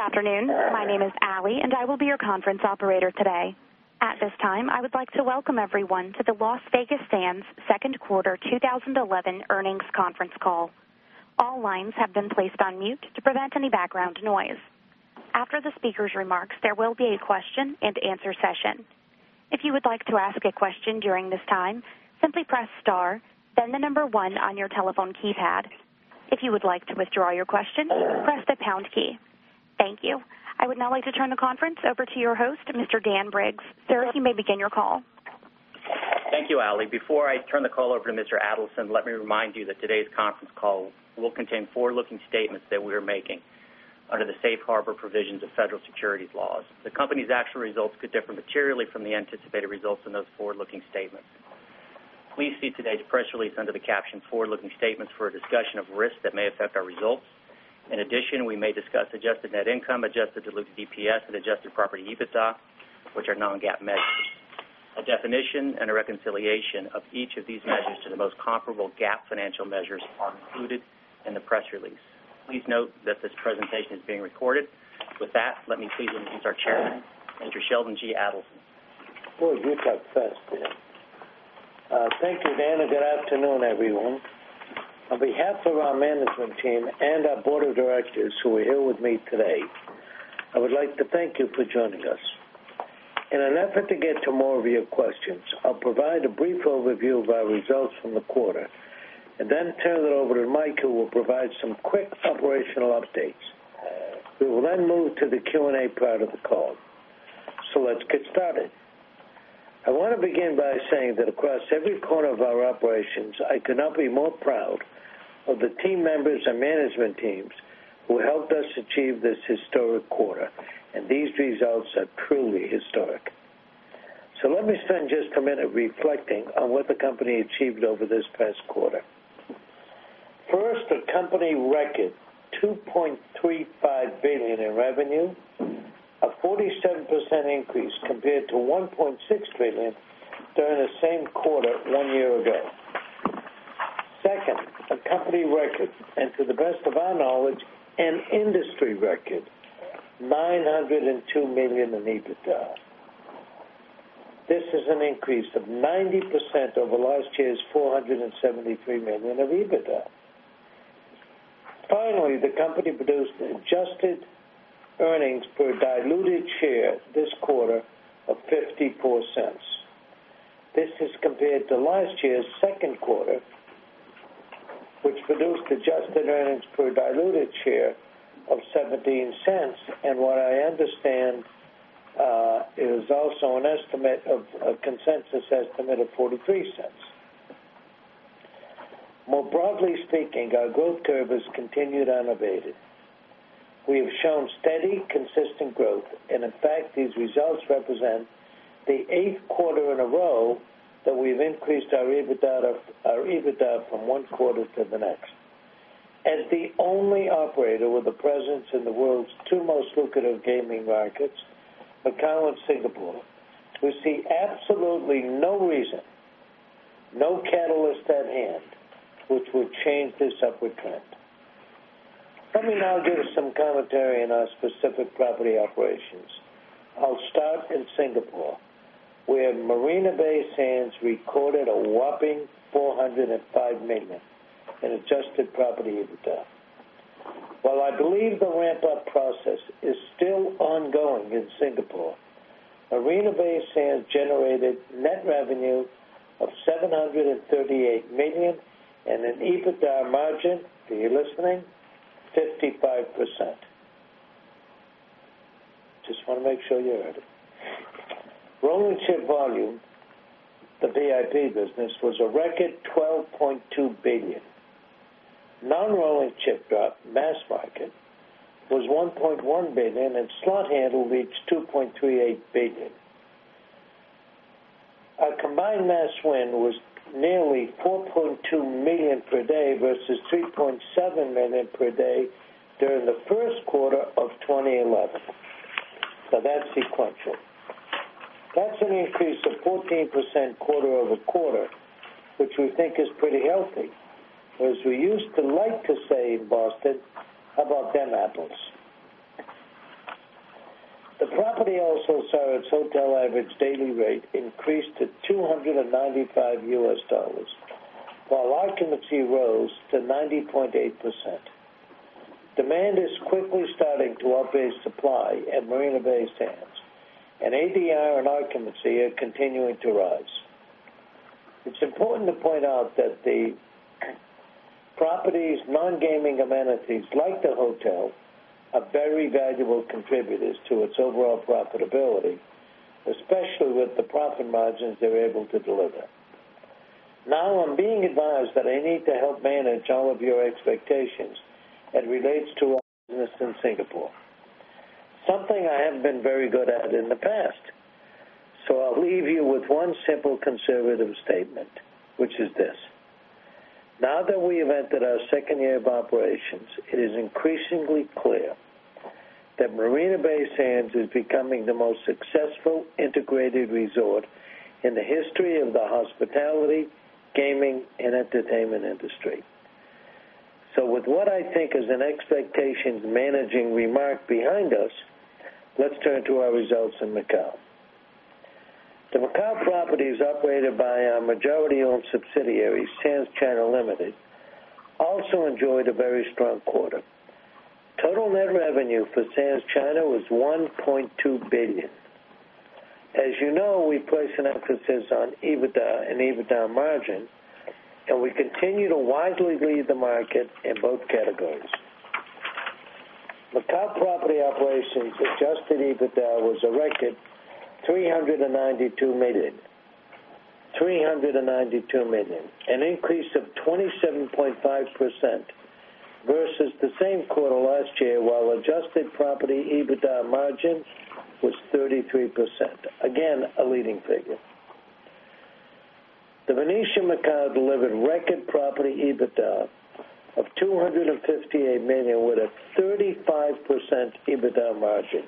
Good afternoon. My name is Ally, and I will be your conference operator today. At this time, I would like to welcome everyone to the Las Vegas Sands Second Quarter 2011 Earnings Conference Call. All lines have been placed on mute to prevent any background noise. After the speaker's remarks, there will be a question and answer session. If you would like to ask a question during this time, simply press star, then the number one on your telephone keypad. If you would like to withdraw your question, press the pound key. Thank you. I would now like to turn the conference over to your host, Mr. Dan Briggs. Sir, you may begin your call. Thank you, Ally. Before I turn the call over to Mr. Adelson, let me remind you that today's conference call will contain forward-looking statements that we are making under the safe harbor provisions of federal securities laws. The company's actual results could differ materially from the anticipated results in those forward-looking statements. Please see today's press release under the caption "Forward-looking Statements for a Discussion of Risks That May Affect Our Results." In addition, we may discuss adjusted net income, adjusted diluted EPS, and adjusted property EBITDA, which are non-GAAP measures. A definition and a reconciliation of each of these measures to the most comparable GAAP financial measures are included in the press release. Please note that this presentation is being recorded. With that, let me please introduce our Chairman, Mr. Sheldon G. Adelson. Thank you, Dan. Good afternoon, everyone. On behalf of our management team and our Board of Directors who are here with me today, I would like to thank you for joining us. In an effort to get to more of your questions, I'll provide a brief overview of our results from the quarter and then turn it over to Mike, who will provide some quick operational updates. We will then move to the Q&A part of the call. Let's get started. I want to begin by saying that across every corner of our operations, I cannot be more proud of the team members and management teams who helped us achieve this historic quarter, and these results are truly historic. Let me spend just a minute reflecting on what the company achieved over this past quarter. First, the company record: $2.35 billion in revenue, a 47% increase compared to $1.6 billion during the same quarter one year ago. Second, the company record, and to the best of our knowledge, an industry record: $902 million in EBITDA. This is an increase of 90% over last year's $473 million of EBITDA. Finally, the company produced adjusted earnings per diluted share this quarter of $0.54. This is compared to last year's second quarter, which produced adjusted earnings per diluted share of $0.17, and what I understand is also a consensus estimate of $0.43. More broadly speaking, our growth curve has continued unabated. We have shown steady, consistent growth, and in fact, these results represent the eighth quarter in a row that we've increased our EBITDA from one quarter to the next. As the only operator with a presence in the world's two most lucrative gaming markets, Macau and Singapore, we see absolutely no reason, no catalyst at hand, which would change this upward trend. Let me now give you some commentary on our specific property operations. I'll start in Singapore, where Marina Bay Sands recorded a whopping $405 million in adjusted property EBITDA. While I believe the ramp-up process is still ongoing in Singapore, Marina Bay Sands generated net revenue of $738 million and an EBITDA margin, for you listening, of 55%. Just want to make sure you heard it. Rolling chip volume for the VIP business was a record $12.2 billion. Non-rolling chip drop, mass market, was $1.1 billion and slot handle reached $2.38 billion. Our combined mass win was nearly $4.2 million per day versus $3.7 million per day during the first quarter of 2011. That's sequential. That's an increase of 14% quarter-over-quarter, which we think is pretty healthy, as we used to like to say in Boston about them apples. The property also saw its hotel average daily rate increase to $295, while occupancy rose to 90.8%. Demand is quickly starting to outpace supply at Marina Bay Sands, and ADR and occupancy are continuing to rise. It's important to point out that the property's non-gaming amenities like the hotel are very valuable contributors to its overall profitability, especially with the profit margins they were able to deliver. Now, I'm being advised that I need to help manage all of your expectations as it relates to our business in Singapore, something I haven't been very good at in the past. I'll leave you with one simple conservative statement, which is this: now that we have entered our second year of operations, it is increasingly clear that Marina Bay Sands is becoming the most successful integrated resort in the history of the hospitality, gaming, and entertainment industry. With what I think is an expectations managing remark behind us, let's turn to our results in Macau. The Macau properties operated by our majority-owned subsidiary, Sands China Ltd., also enjoyed a very strong quarter. Total net revenue for Sands China was $1.2 billion. As you know, we place an emphasis on EBITDA and EBITDA margin, and we continue to widely lead the market in both categories. Macau property operations' adjusted EBITDA was a record $392 million, $392 million, an increase of 27.5% versus the same quarter last year, while adjusted property EBITDA margin was 33%. Again, a leading figure. The Venetian Macau delivered record property EBITDA of $258 million with a 35% EBITDA margin.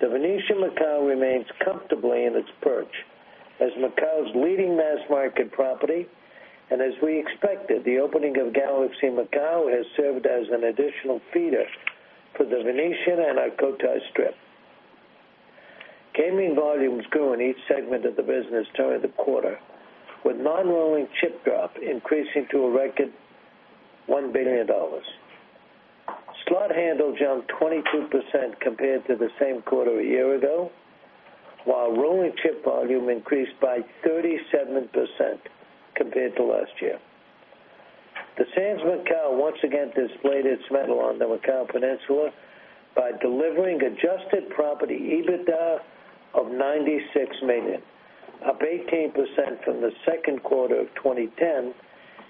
The Venetian Macau remains comfortably in its perch as Macau's leading mass market property, and as we expected, the opening of Galaxy Macau has served as an additional feeder for The Venetian and our Cotai Strip. Gaming volume grew in each segment of the business during the quarter, with non-rolling chip drop increasing to a record $1 billion. Slot handle jumped 22% compared to the same quarter a year ago, while rolling chip volume increased by 37% compared to last year. The Sands Macao once again displayed its mettle on the Macau Peninsula by delivering adjusted property EBITDA of $96 million, up 18% from the second quarter of 2010,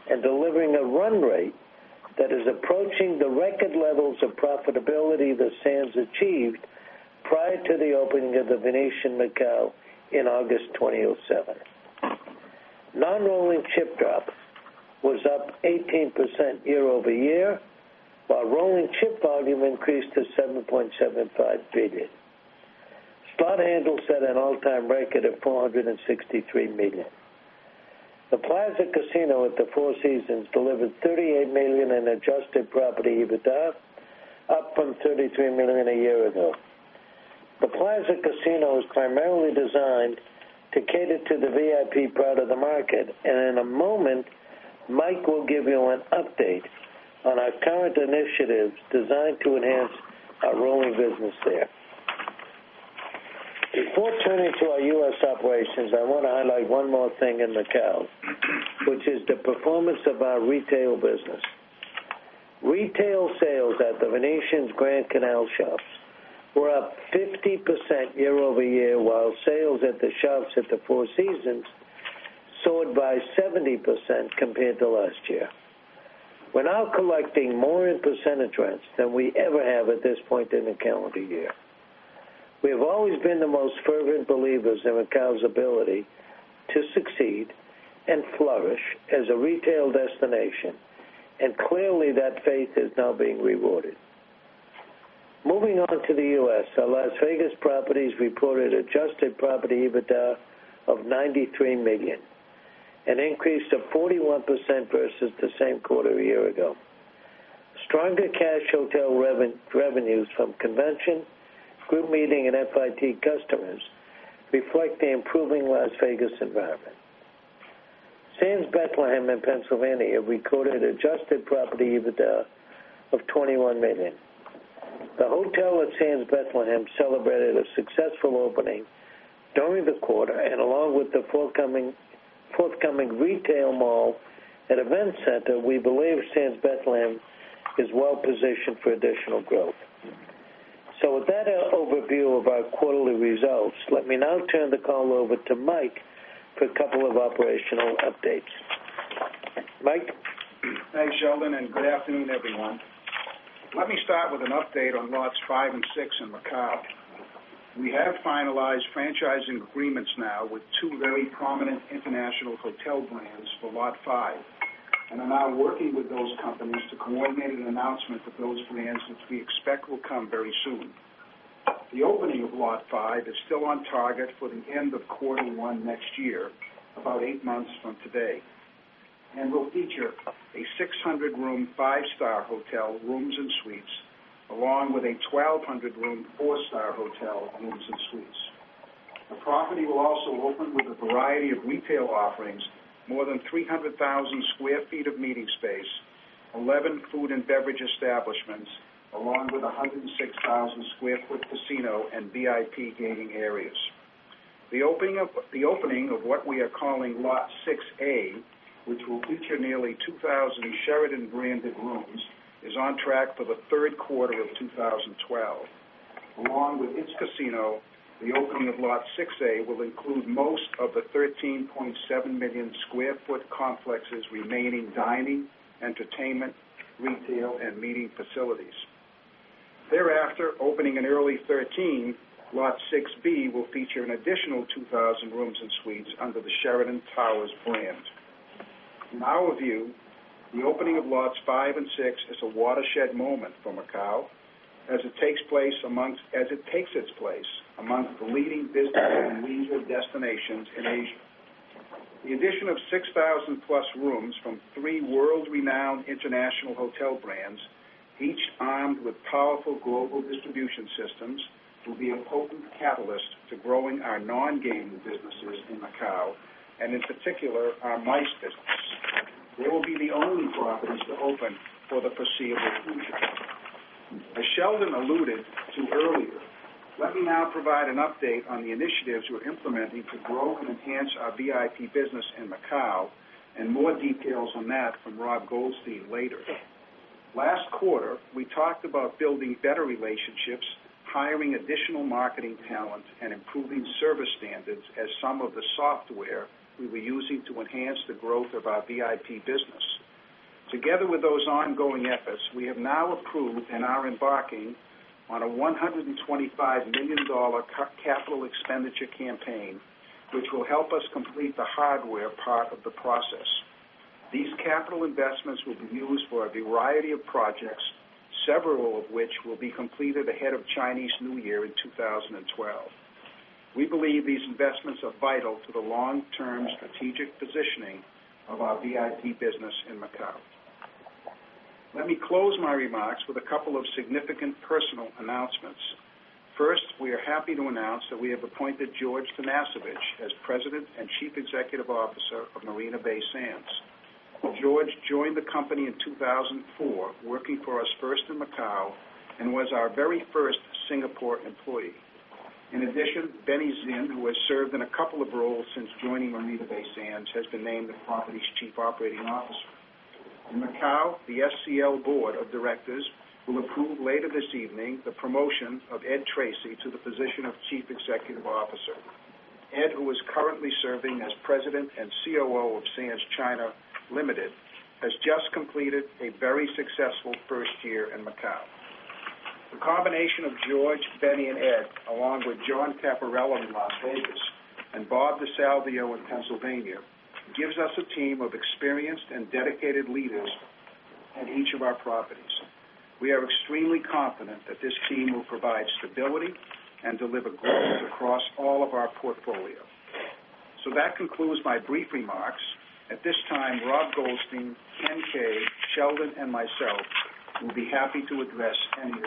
and delivering a run rate that is approaching the record levels of profitability the Sands achieved prior to the opening of The Venetian Macao in August 2007. Non-rolling chip drop was up 18% year-over-year, while rolling chip volume increased to $7.75 billion. Slot handle set an all-time record of $463 million. The Plaza Casino at the Four Seasons delivered $38 million in adjusted property EBITDA, up from $33 million a year ago. The Plaza Casino is primarily designed to cater to the VIP part of the market, and in a moment, Mike will give you an update on our current initiatives designed to enhance our rolling business there. Before turning to our U.S. operations, I want to highlight one more thing in Macau, which is the performance of our retail business. Retail sales at The Venetian's Grand Canal Shoppes were up 50% year-over-year, while sales at the Shoppes at the Four Seasons soared by 70% compared to last year. We're now collecting more in percentage rents than we ever have at this point in the calendar year. We have always been the most fervent believers in Macau's ability to succeed and flourish as a retail destination, and clearly that faith is now being rewarded. Moving on to the U.S., our Las Vegas properties reported adjusted property EBITDA of $93 million, an increase of 41% versus the same quarter a year ago. Stronger cash hotel revenues from convention, group meeting, and FIT customers reflect the improving Las Vegas environment. Sands Bethlehem in Pennsylvania recorded adjusted property EBITDA of $21 million. The hotel at Sands Bethlehem celebrated a successful opening during the quarter, and along with the forthcoming retail mall and event center, we believe Sands Bethlehem is well positioned for additional growth. With that overview of our quarterly results, let me now turn the call over to Mike for a couple of operational updates. Mike? Thanks, Sheldon, and good afternoon, everyone. Let me start with an update on Lots 5 and 6 in Macau. We have finalized franchising agreements now with two very prominent international hotel brands for Lot 5, and I'm now working with those companies to coordinate an announcement for those brands that we expect will come very soon. The opening of Lot 5 is still on target for the end of quarter one next year, about eight months from today, and will feature a 600-room five-star hotel, rooms and suites, along with a 1,200-room four-star hotel, rooms and suites. The property will also open with a variety of retail offerings, more than 300,000 sq. ft. of meeting space, 11 food and beverage establishments, along with a 106,000 sq. ft. casino and VIP gaming areas. The opening of what we are calling Lot 6A, which will feature nearly 2,000 Sheraton-branded rooms, is on track for the third quarter of 2012. Along with its casino, the opening of Lot 6A will include most of the 13.7 million sq. ft. complex's remaining dining, entertainment, retail, and meeting facilities. Thereafter, opening in early 2013, Lot 6B will feature an additional 2,000 rooms and suites under the Sheraton Towers brand. In our view, the opening of Lots 5 and 6 is a watershed moment for Macau, as it takes its place amongst the leading business and leisure destinations in Asia. The addition of 6,000+ rooms from three world-renowned international hotel brands, each armed with powerful global distribution systems, will be a potent catalyst to growing our non-gaming businesses in Macau, and in particular, our MICE business. They will be the only properties to open for the foreseeable future. As Sheldon alluded to earlier, let me now provide an update on the initiatives we're implementing to grow and enhance our VIP business in Macau, and more details on that from Rob Goldstein later. Last quarter, we talked about building better relationships, hiring additional marketing talent, and improving service standards as some of the software we were using to enhance the growth of our VIP business. Together with those ongoing efforts, we have now approved and are embarking on a $125 million capital expenditure campaign, which will help us complete the hardware part of the process. These capital investments will be used for a variety of projects, several of which will be completed ahead of Chinese New Year in 2012. We believe these investments are vital to the long-term strategic positioning of our VIP business in Macau. Let me close my remarks with a couple of significant personal announcements. First, we are happy to announce that we have appointed George Tanasijevich as President and Chief Executive Officer of Marina Bay Sands. George joined the company in 2004, working for us first in Macau and was our very first Singapore employee. In addition, Benny Zin, who has served in a couple of roles since joining Marina Bay Sands, has been named the property's Chief Operating Officer. In Macau, the SCL Board of Directors will approve later this evening the promotion of Ed Tracy to the position of Chief Executive Officer. Ed, who is currently serving as President and COO of Sands China Ltd., has just completed a very successful first year in Macau. The combination of George, Benny, and Ed, along with John Caparella in Las Vegas and Bob DeSalvio in Pennsylvania, gives us a team of experienced and dedicated leaders at each of our properties. We are extremely confident that this team will provide stability and deliver growth across all of our portfolio. That concludes my brief remarks. At this time, Rob Goldstein, Ken Kay, Sheldon, and myself will be happy to address any of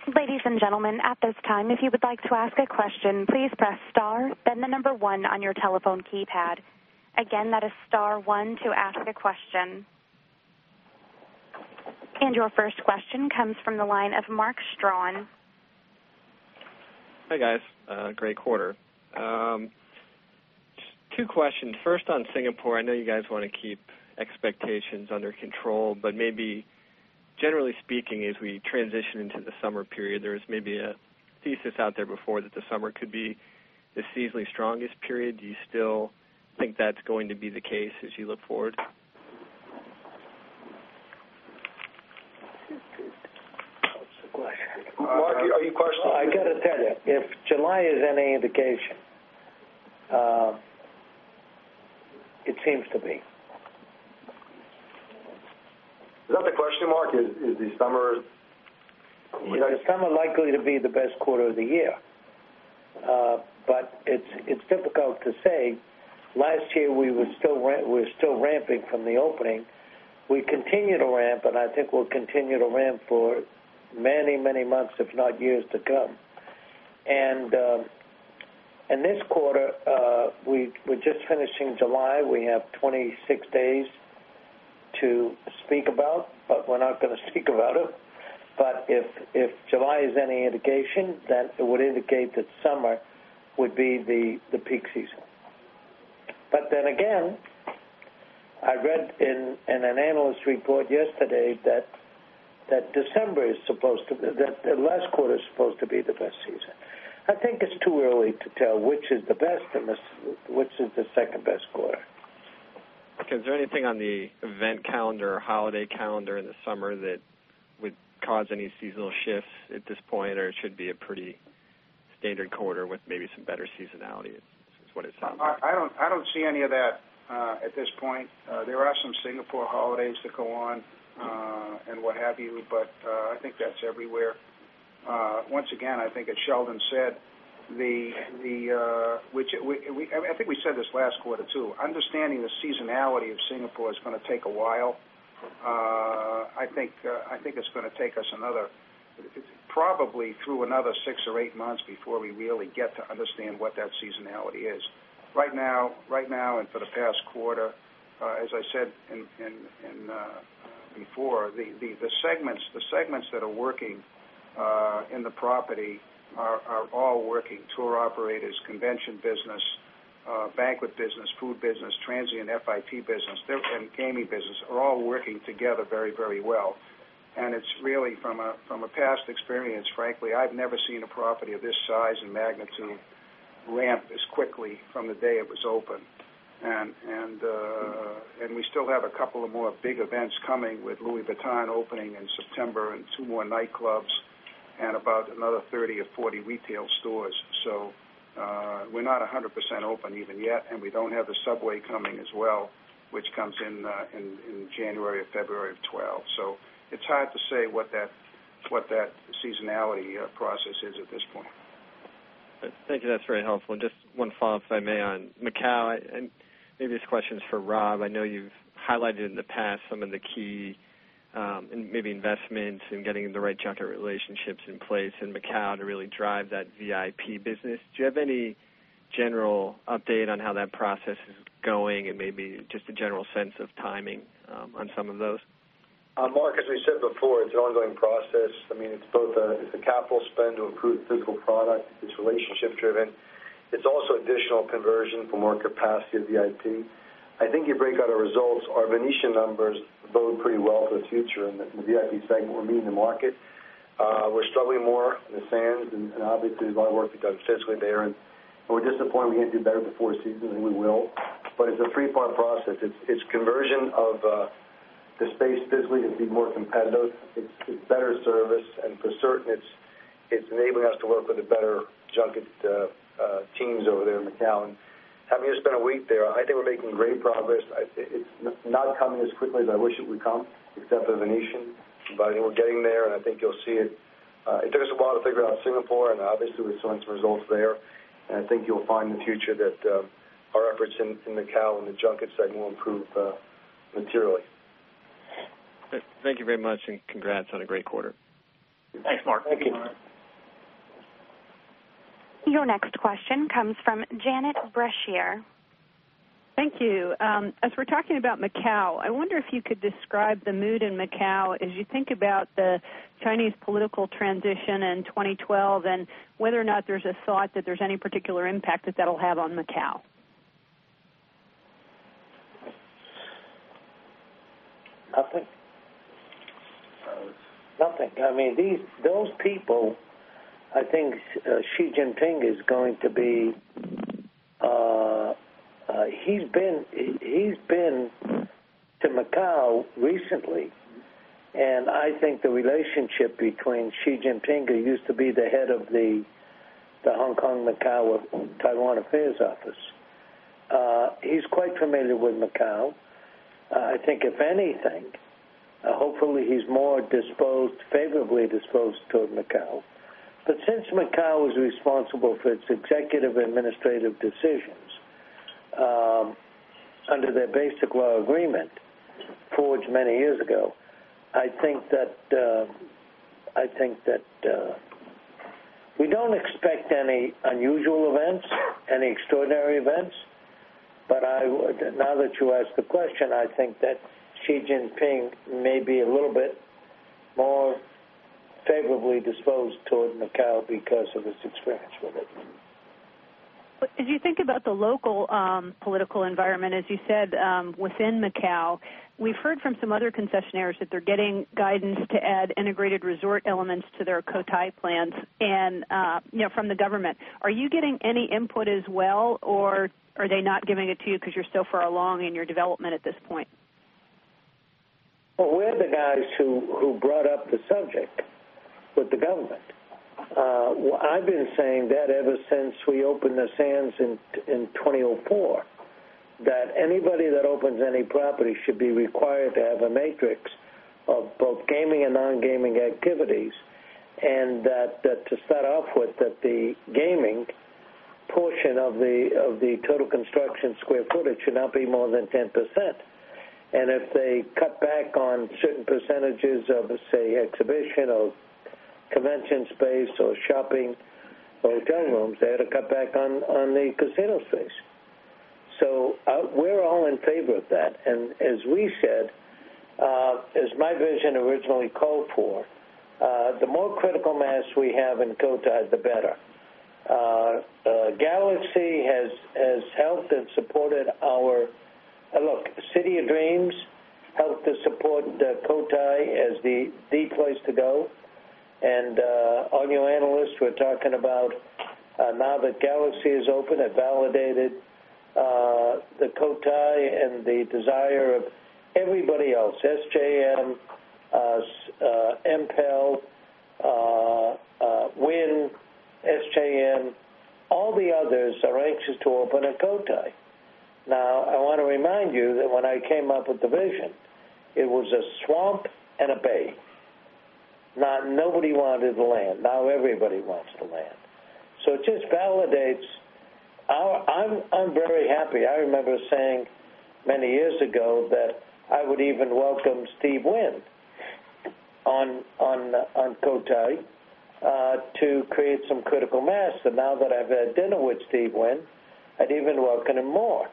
your questions. Ladies and gentlemen, at this time, if you would like to ask a question, please press star, then the number one on your telephone keypad. Again, that is star one to ask a question. Your first question comes from the line of Mark Strawn. Hey, guys. Great quarter. Two questions. First on Singapore, I know you guys want to keep expectations under control, but maybe generally speaking, as we transition into the summer period, there is maybe a thesis out there before that the summer could be the seasonally strongest period. Do you still think that's going to be the case as you look forward? Are you questioning? I got to tell you, if July is any indication, it seems to be. Is that the question, Mark? Is it the summer? Is the summer likely to be the best quarter of the year? It's difficult to say. Last year, we were still ramping from the opening. We continue to ramp, and I think we'll continue to ramp for many, many months, if not years, to come. This quarter, we're just finishing July. We have 26 days to speak about, but we're not going to speak about it. If July is any indication, then it would indicate that summer would be the peak season. I read in an analyst report yesterday that December is supposed to be, that the last quarter is supposed to be the best season. I think it's too early to tell which is the best and which is the second-best quarter. Okay. Is there anything on the event calendar or holiday calendar in the summer that would cause any seasonal shifts at this point, or it should be a pretty standard quarter with maybe some better seasonality, is what it sounds like? I don't see any of that at this point. There are some Singapore holidays that go on and what have you, but I think that's everywhere. Once again, I think, as Sheldon said, I think we said this last quarter too, understanding the seasonality of Singapore is going to take a while. I think it's going to take us probably another six or eight months before we really get to understand what that seasonality is. Right now and for the past quarter, as I said before, the segments that are working in the property are all working: tour operators, convention business, banquet business, food business, transient FIT business, and gaming business are all working together very, very well. It's really, from a past experience, frankly, I've never seen a property of this size and magnitude ramp as quickly from the day it was open. We still have a couple more big events coming with Louis Vuitton opening in September and two more nightclubs and about another 30 or 40 retail stores. We're not 100% open even yet, and we don't have the subway coming as well, which comes in January or February of 2012. It's hard to say what that seasonality process is at this point. Thank you. That's very helpful. Just one follow-up, if I may, on Macau, and maybe this question is for Rob. I know you've highlighted in the past some of the key and maybe investments in getting the right chunk of relationships in place in Macau to really drive that VIP business. Do you have any general update on how that process is going and maybe just a general sense of timing on some of those? Mark, as we said before, it's an ongoing process. I mean, it's both a capital spend to improve the physical product. It's relationship-driven. It's also additional conversion for more capacity of VIP. I think you break out our results. Our Venetian numbers bode pretty well for the future in the VIP segment. We're meeting the market. We're struggling more in the Sands, and obviously, there's a lot of work to be done physically there. We're disappointed we can't do better with the Four Seasons, and we will. It's a three-part process. It's conversion of the space physically to be more competitive. It's better service, and for certain, it's enabling us to work with the better junket teams over there in Macau. Having just been a week there, I think we're making great progress. It's not coming as quickly as I wish it would come, except the Venetian, but I know we're getting there, and I think you'll see it. It took us a while to figure out Singapore, and obviously, we're seeing some results there. I think you'll find in the future that our efforts in Macau and the junket segment will improve materially. Thank you very much, and congrats on a great quarter. Thanks, Mark. Thank you, Mark. Your next question comes from Janet Brashear. Thank you. As we're talking about Macau, I wonder if you could describe the mood in Macau as you think about the Chinese political transition in 2012, and whether or not there's a thought that there's any particular impact that that'll have on Macau. I think those people, I think Xi Jinping is going to be, he's been to Macau recently, and I think the relationship between Xi Jinping, who used to be the head of the Hong Kong-Macau Taiwan Affairs Office, he's quite familiar with Macau. I think, if anything, hopefully, he's more favorably disposed toward Macau. Since Macau is responsible for its executive administrative decisions under their basic law agreement forged many years ago, I think that we don't expect any unusual events, any extraordinary events. Now that you ask the question, I think that Xi Jinping may be a little bit more favorably disposed toward Macau because of his experience with it. As you think about the local political environment, as you said, within Macau, we've heard from some other concessionaires that they're getting guidance to add integrated resort elements to their Cotai plans from the government. Are you getting any input as well, or are they not giving it to you because you're so far along in your development at this point? We are the guys who brought up the subject with the government. I've been saying that ever since we opened the Sands in 2004, that anybody that opens any property should be required to have a matrix of both gaming and non-gaming activities, and that to start off with, the gaming portion of the total construction square footage should not be more than 10%. If they cut back on certain percentages of, say, exhibition or convention space or shopping or hotel rooms, they had to cut back on the casino space. We are all in favor of that. As we said, as my vision originally called for, the more critical mass we have in Cotai, the better. Galaxy has helped and supported our look, City of Dreams helped to support the Cotai as the place to go. All your analysts were talking about now that Galaxy is open, it validated the Cotai and the desire of everybody else, SJM, MPEL, Wynn, SJM, all the others are anxious to open at Cotai. I want to remind you that when I came up with the vision, it was a swamp and a bay. Nobody wanted the land. Now, everybody wants the land. It just validates our, I'm very happy. I remember saying many years ago that I would even welcome Steve Wynn on Cotai to create some critical mass. Now that I've had dinner with Steve Wynn, I'd even welcome him more.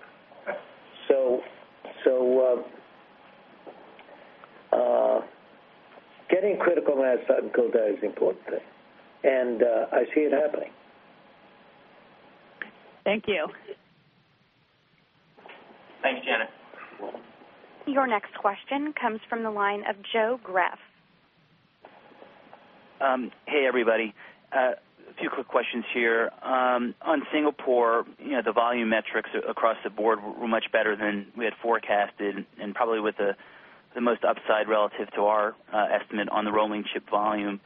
Getting critical mass on Cotai is important, and I see it happening. Thank you. Thanks, Janet. Your next question comes from the line of Joe Greff. Hey, everybody. A few quick questions here. On Singapore, you know the volume metrics across the board were much better than we had forecasted and probably with the most upside relative to our estimate on the rolling chip volume.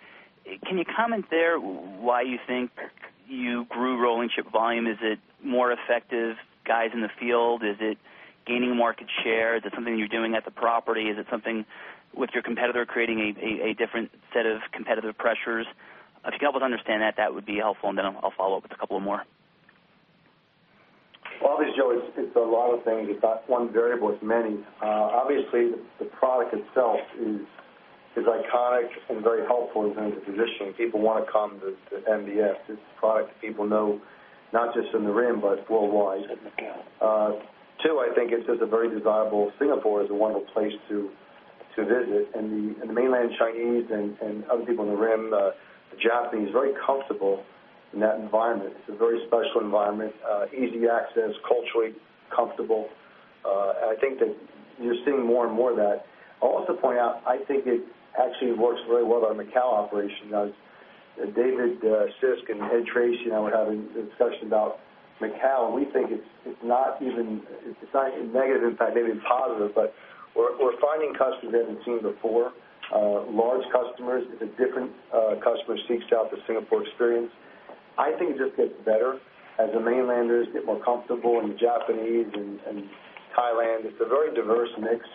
Can you comment there why you think you grew rolling chip volume? Is it more effective guys in the field? Is it gaining market share? Is it something you're doing at the property? Is it something with your competitor creating a different set of competitive pressures? If you could help us understand that, that would be helpful. I'll follow up with a couple of more. Obviously, Joe, it's a lot of things. It's not one variable. It's many. Obviously, the product itself is iconic and very helpful in terms of positioning. People want to come to MBS. It's a product that people know not just in the region but worldwide. Two, I think it's just a very desirable Singapore as a wonderful place to visit. The mainland Chinese and other people in the region, the Japanese, are very comfortable in that environment. It's a very special environment, easy access, culturally comfortable. I think that you're seeing more and more of that. I'll also point out, I think it actually works very well in our Macau operation. David Sisk and Ed Tracy were having a discussion about Macau, and we think it's not even a negative impact, maybe a positive, but we're finding customers in Singapore, large customers. It's a different customer seeking out the Singapore experience. I think it just gets better as the mainlanders get more comfortable and the Japanese and Thailand. It's a very diverse mix,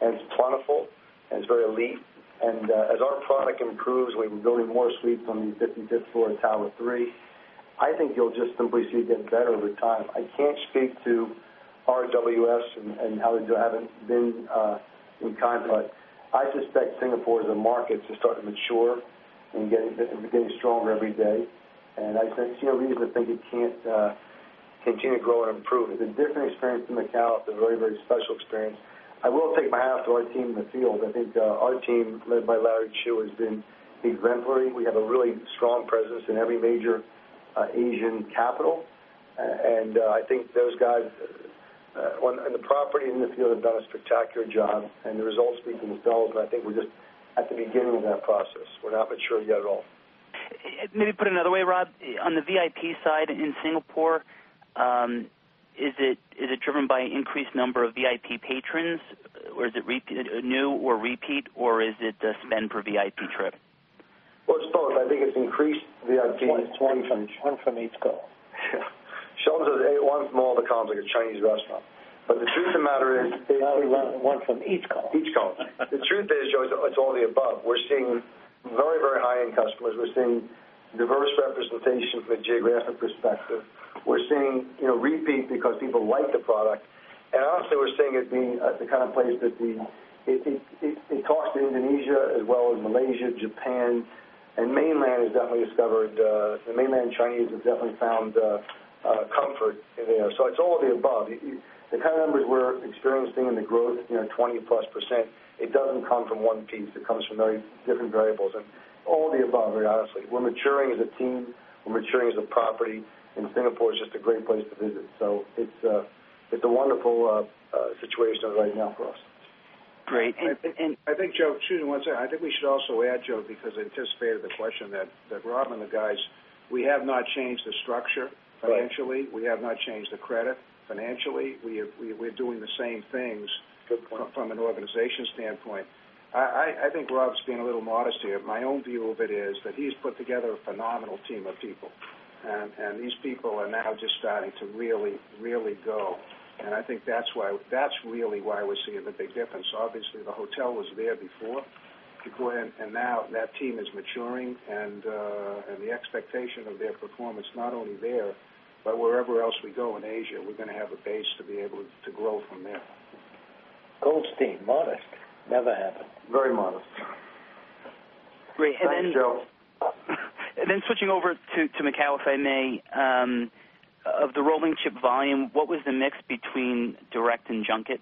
and it's plentiful, and it's very elite. As our product improves, we're building more suites on the 55th floor of Tower 3. I think you'll just simply see it getting better with time. I can't speak to RWS and how they haven't been with time, but I suspect Singapore as a market is just starting to mature and getting stronger every day. I see no reason to think it can't continue to grow and improve. It's a different experience than Macau. It's a very, very special experience. I will take my hat off to our team in the field. I think our team led by Larry Chiu has been exemplary. We have a really strong presence in every major Asian capital. I think those guys on the property and in the field have done a spectacular job, and the results speak for themselves. I think we're just at the beginning of that process. We're not mature yet at all. Maybe put it another way, Rob. On the VIP side in Singapore, is it driven by an increased number of VIP patrons, or is it new or repeat, or is it the spend per VIP trip? I think it's increased VIP from each corner. One from each corner. Sheldon says one from all the corners like a Chinese restaurant. The truth of the matter is. One from each corner. Each corner. The truth is, Joe, it's all the above. We're seeing very, very high-end customers. We're seeing diverse representation from a geographic perspective. We're seeing repeat because people like the product. Honestly, we're seeing it be the kind of place that it talks to Indonesia as well as Malaysia, Japan. Mainland Chinese have definitely found comfort there. It's all the above. The kind of numbers we're experiencing in the growth, you know, 20%+, it doesn't come from one piece. It comes from very different variables and all the above, very honestly. We're maturing as a team. We're maturing as a property. Singapore is just a great place to visit. It's a wonderful situation right now for us. Great. Joe, excuse me one second. I think we should also add, Joe, because I anticipated the question that Rob and the guys, we have not changed the structure eventually. We have not changed the credit financially. We're doing the same things from an organization standpoint. I think Rob's being a little modest here. My own view of it is that he's put together a phenomenal team of people. These people are now just starting to really, really go. I think that's really why we're seeing the big difference. Obviously, the hotel was there before people went in, and now that team is maturing. The expectation of their performance, not only there, but wherever else we go in Asia, we're going to have a base to be able to grow from there. Goldstein, modest. Never have. Very modest. Great. Then. Thanks, Joe. Switching over to Macau, if I may, of the rolling chip volume, what was the mix between direct and junket?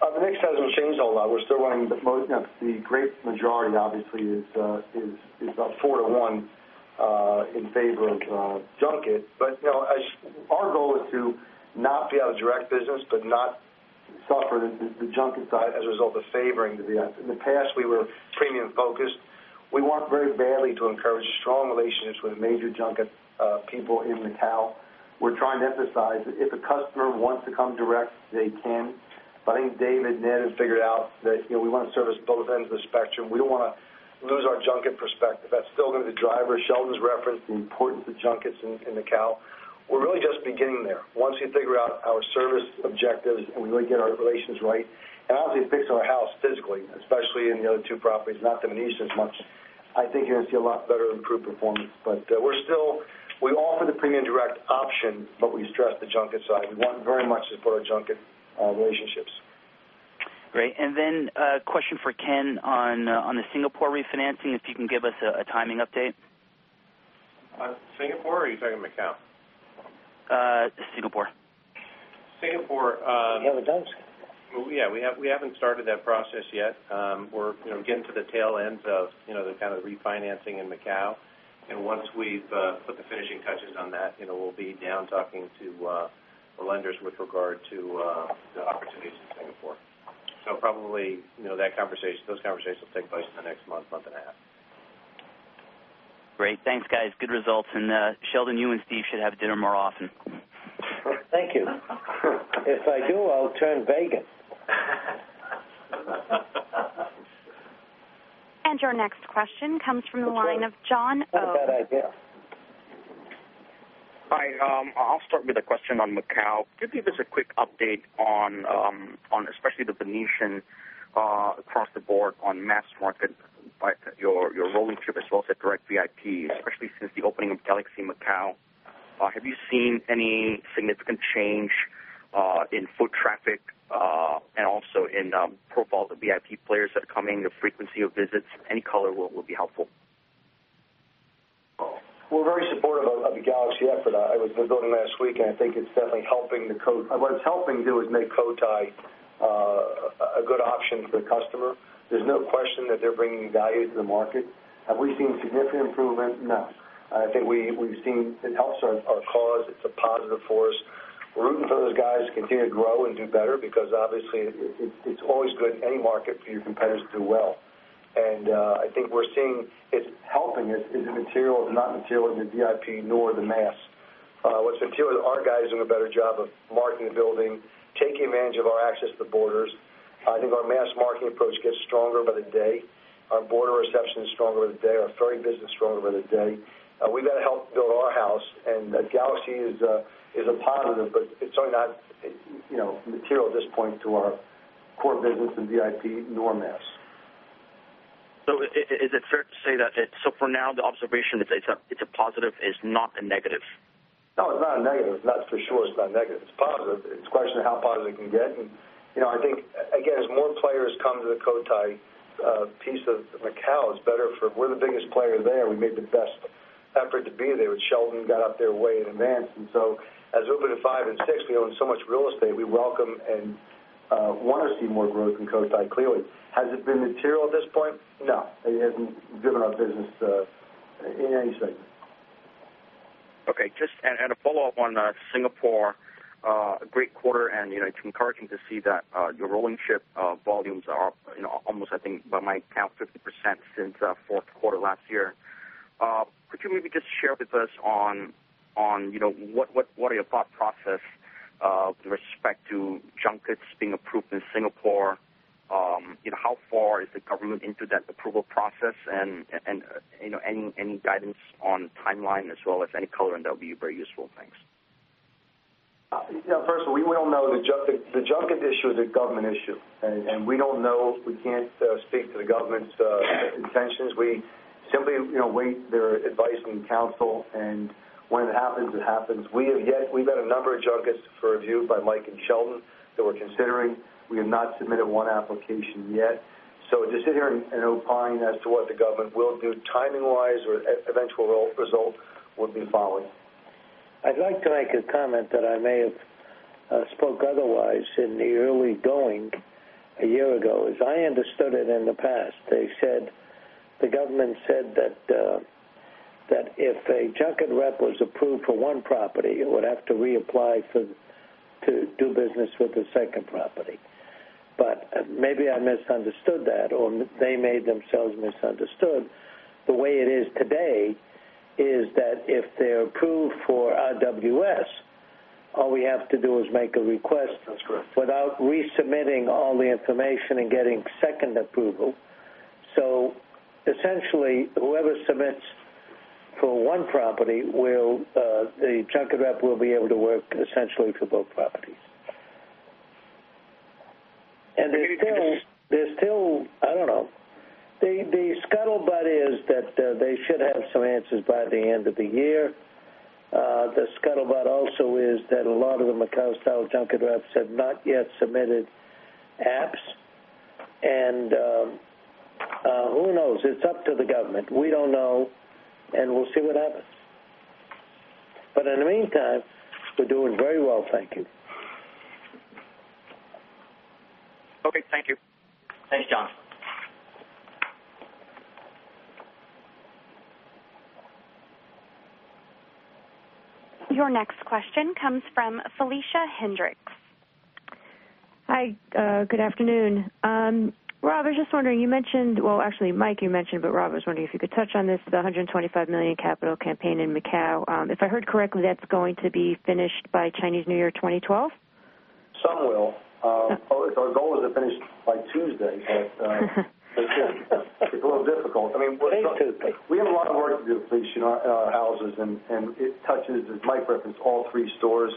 The mix hasn't changed a whole lot. We're still running the most, you know, the greatest majority, obviously, is up 4 to 1 in favor of junket. As our goal is to not be out of direct business but not suffer the junket side as a result of favoring the direct. In the past, we were premium focused. We worked very badly to encourage strong relationships with major junket people in Macau. We're trying to emphasize that if a customer wants to come direct, they can. I think David and Ed has figured out that, you know, we want to service both ends of the spectrum. We don't want to lose our junket perspective. That's still going to be the driver. Sheldon's referenced the importance of junkets in Macau. We're really just beginning there. Once we figure out our service objectives and we really get our relations right and obviously fix our house physically, especially in the other two properties, not The Venetian Macau as much, I think you're going to see a lot better improved performance. We're still, we offer the premium direct option, but we stress the junket side. We want very much to support our junket relationships. Great. A question for Ken on the Singapore refinancing, if you can give us a timing update. Singapore or are you talking Macau? Singapore. Singapore. We haven't done it. Yeah, we haven't started that process yet. We're getting to the tail ends of the kind of refinancing in Macau. Once we've put the finishing touches on that, we'll be down talking to the lenders with regard to the opportunities in Singapore. Probably, those conversations will take place in the next month, month and a half. Great. Thanks, guys. Good results. Sheldon, you and Steve should have dinner more often. Thank you. If I do, I'll turn vegan. Your next question comes from the line of Jon Oh. I like that idea. Hi, I'll start with a question on Macau. Could you give us a quick update on especially The Venetian across the board on mass market, your rolling chip as well as direct VIP, especially since the opening of Galaxy Macau? Have you seen any significant change in foot traffic and also in profile VIP players that come in, the frequency of visits? Any color would be helpful. We're very supportive of the Galaxy effort. I was there last week, and I think it's definitely helping the Cotai. What it's helping do is make Cotai a good option for the customer. There's no question that they're bringing value to the market. Have we seen significant improvement? No. I think we've seen it helps our cause. It's a positive for us. We're rooting for those guys to continue to grow and do better because obviously, it's always good in any market for your competitors to do well. I think we're seeing it's helping. Is it material or not material in the VIP nor the mass? What's material is our guys doing a better job of marketing and building, taking advantage of our access to the borders. I think our mass marketing approach gets stronger by the day. Our border reception is stronger by the day. Our ferry business is stronger by the day. We better help build our house. Galaxy is a positive, but it's certainly not, you know, material at this point to our core business in VIP nor mass. Is it fair to say that for now, the observation is a positive, not a negative. No, it's not a negative. That's for sure. It's not a negative. It's positive. It's a question of how positive it can get. You know, I think, again, as more players come to the Cotai piece of Macau, it's better for us. We're the biggest player there. We made the best effort to be there, but Sheldon got up there way in advance. As we opened at five and six, we own so much real estate. We welcome and want to see more growth in Cotai, clearly. Has it been material at this point? No. It hasn't driven our business in any segment. Okay. Just a follow-up on Singapore. Great quarter, and it's encouraging to see that your rolling chip volumes are almost, I think, by my count, up 50% since the fourth quarter last year. Could you maybe just share with us what your thought process is with respect to junkets being approved in Singapore? How far is the government into that approval process? Any guidance on timeline as well as any color in that would be very useful. Thanks. Yeah. First of all, we all know the junket issue is a government issue, and we don't know. We can't speak to the government's intentions. We simply wait their advice and counsel. When it happens, it happens. We've had a number of junkets for review by Mike and Sheldon that we're considering. We have not submitted one application yet. To sit here and opine as to what the government will do timing-wise or eventual result would be following. I'd like to make a comment that I may have spoke otherwise in the early going a year ago. As I understood it in the past, they said the government said that if a junket rep was approved for one property, it would have to reapply to do business with the second property. Maybe I misunderstood that, or they made themselves misunderstood. The way it is today is that if they're approved for RWS, all we have to do is make a request without resubmitting all the information and getting second approval. Essentially, whoever submits for one property, the junket rep will be able to work essentially for both properties. There's still, I don't know. The scuttlebutt is that they should have some answers by the end of the year. The scuttlebutt also is that a lot of the Macau style junket reps have not yet submitted apps. Who knows? It's up to the government. We don't know, and we'll see what happens. In the meantime, we're doing very well. Thank you. Okay, thank you. Thanks, Jon. Your next question comes from Felicia Hendrix. Hi. Good afternoon. Rob, I was just wondering, you mentioned, Mike, you mentioned, but Rob, I was wondering if you could touch on this, the $125 million capital expenditure campaign in Macau. If I heard correctly, that's going to be finished by Chinese New Year, 2012. Some will. The goal is to finish by Tuesday, but it's a little difficult. I mean, we have a lot of work to do finishing our houses, and it touches, as Mike referenced, all three stores: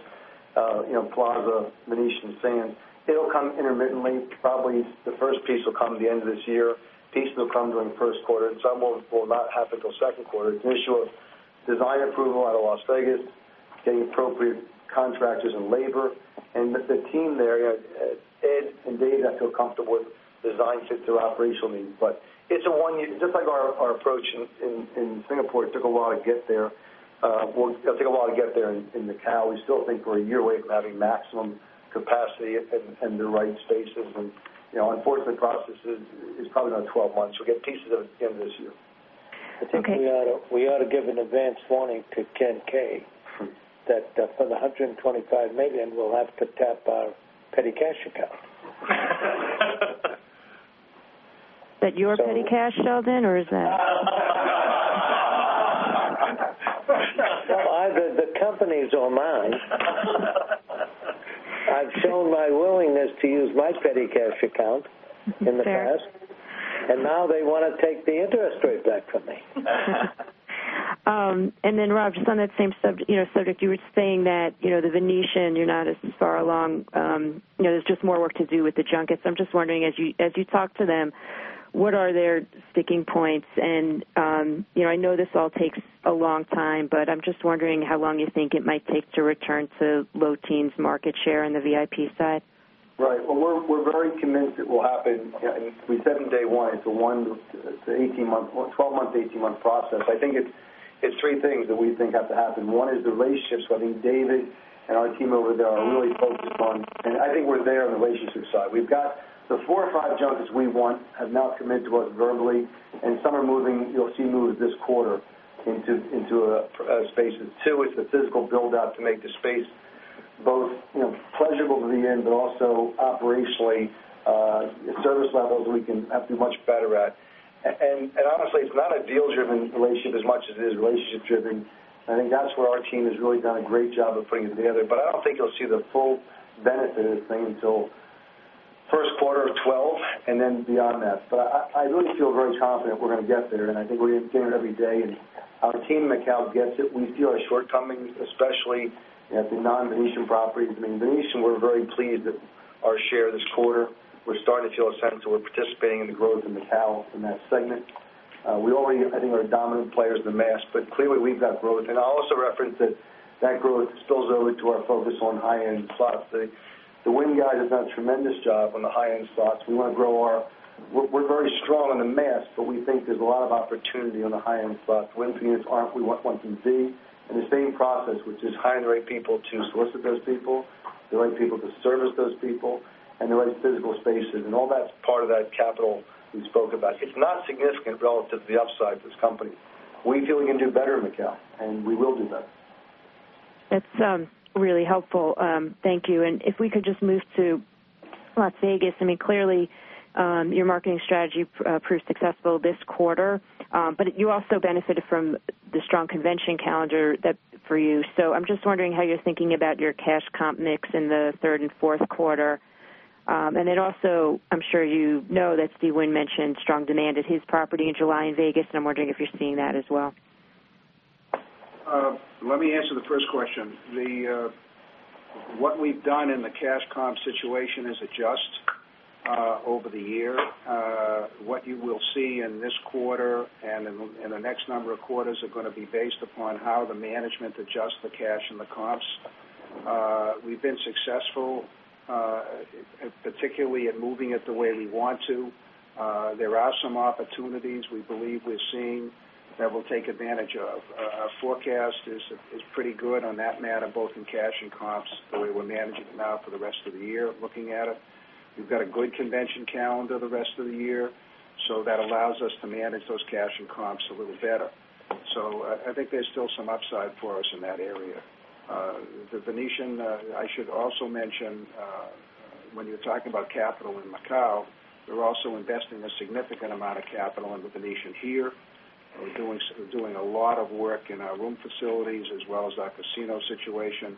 you know, The Plaza, The Venetian, Sands. It'll come intermittently. Probably the first piece will come at the end of this year. Pieces will come during the first quarter. Some will not happen until the second quarter. It's an issue of design approval out of Las Vegas, getting appropriate contractors and labor. With the team there, Ed and Dave, I feel comfortable with design fit to our operational needs. It's a one-year, just like our approach in Singapore. It took a while to get there. It'll take a while to get there in Macau. We still think we're a year away from having maximum capacity and the right spaces. Unfortunately, the process is probably not 12 months. We'll get pieces at the end of this year. I think we ought to give an advance warning to Ken Kay that for the $125 million, we'll have to tap our petty cash account. that your petty cash, Sheldon, or is that? Either the company's or mine. I've shown my willingness to use my petty cash account in the past, and now they want to take the interest rate back from me. Rob, just on that same subject, you were saying that you know The Venetian, you're not as far along. There's just more work to do with the junkets. I'm just wondering, as you talk to them, what are their sticking points? I know this all takes a long time, but I'm just wondering how long you think it might take to return to low-teens market share in the VIP side. Right. We are very convinced it will happen. We said on day one, it's a 12-month to 18-month process. I think it's three things that we think have to happen. One is the relationships. I think David and our team over there are really focused on that, and I think we're there on the relationship side. We've got the four or five junkets we want, have now committed to us verbally, and some are moving. You'll see move this quarter into spaces. Two, it's the physical build-out to make the space both pleasurable to the end, but also operationally, the service levels we can have to be much better at. Honestly, it's not a deal-driven relationship as much as it is relationship-driven. I think that's where our team has really done a great job of putting it together. I don't think you'll see the full benefit of this thing until the first quarter of 2012 and then beyond that. I really feel very confident we're going to get there, and I think we're getting there every day. Our team in Macau gets it. We feel our shortcomings, especially at the non-Venetian properties. I mean, Venetian, we're very pleased with our share this quarter. We're starting to feel a sense of participating in the growth in Macau in that segment. We already, I think, are dominant players in the mass, but clearly, we've got growth. I'll also reference that growth spills over to our focus on high-end slots. The Wynn guys have done a tremendous job on the high-end slots. We want to grow our—we're very strong on the mass, but we think there's a lot of opportunity on the high-end slots. The Wynn opinions aren't what we want them to be. The same process, which is hiring the right people to solicit those people, the right people to service those people, and the right physical spaces. All that's part of that capital we spoke about. It's not significant relative to the upside of this company. We feel we can do better in Macau, and we will do better. That's really helpful. Thank you. If we could just move to Las Vegas, clearly your marketing strategy proved successful this quarter, but you also benefited from the strong convention calendar for you. I'm just wondering how you're thinking about your cash comp mix in the third and fourth quarter. Also, I'm sure you know that Steve Wynn mentioned strong demand at his property in July in Vegas, and I'm wondering if you're seeing that as well. Let me answer the first question. What we've done in the cash comp situation is adjust over the year. What you will see in this quarter and in the next number of quarters is going to be based upon how the management adjusts the cash and the comps. We've been successful, particularly in moving it the way we want to. There are some opportunities we believe we're seeing that we'll take advantage of. Our forecast is pretty good on that matter, both in cash and comps, the way we're managing them out for the rest of the year, looking at them. We've got a good convention calendar the rest of the year. That allows us to manage those cash and comps a little better. I think there's still some upside for us in that area. The Venetian, I should also mention, when you're talking about capital in Macau, we're also investing a significant amount of capital in The Venetian here. We're doing a lot of work in our room facilities as well as our casino situation.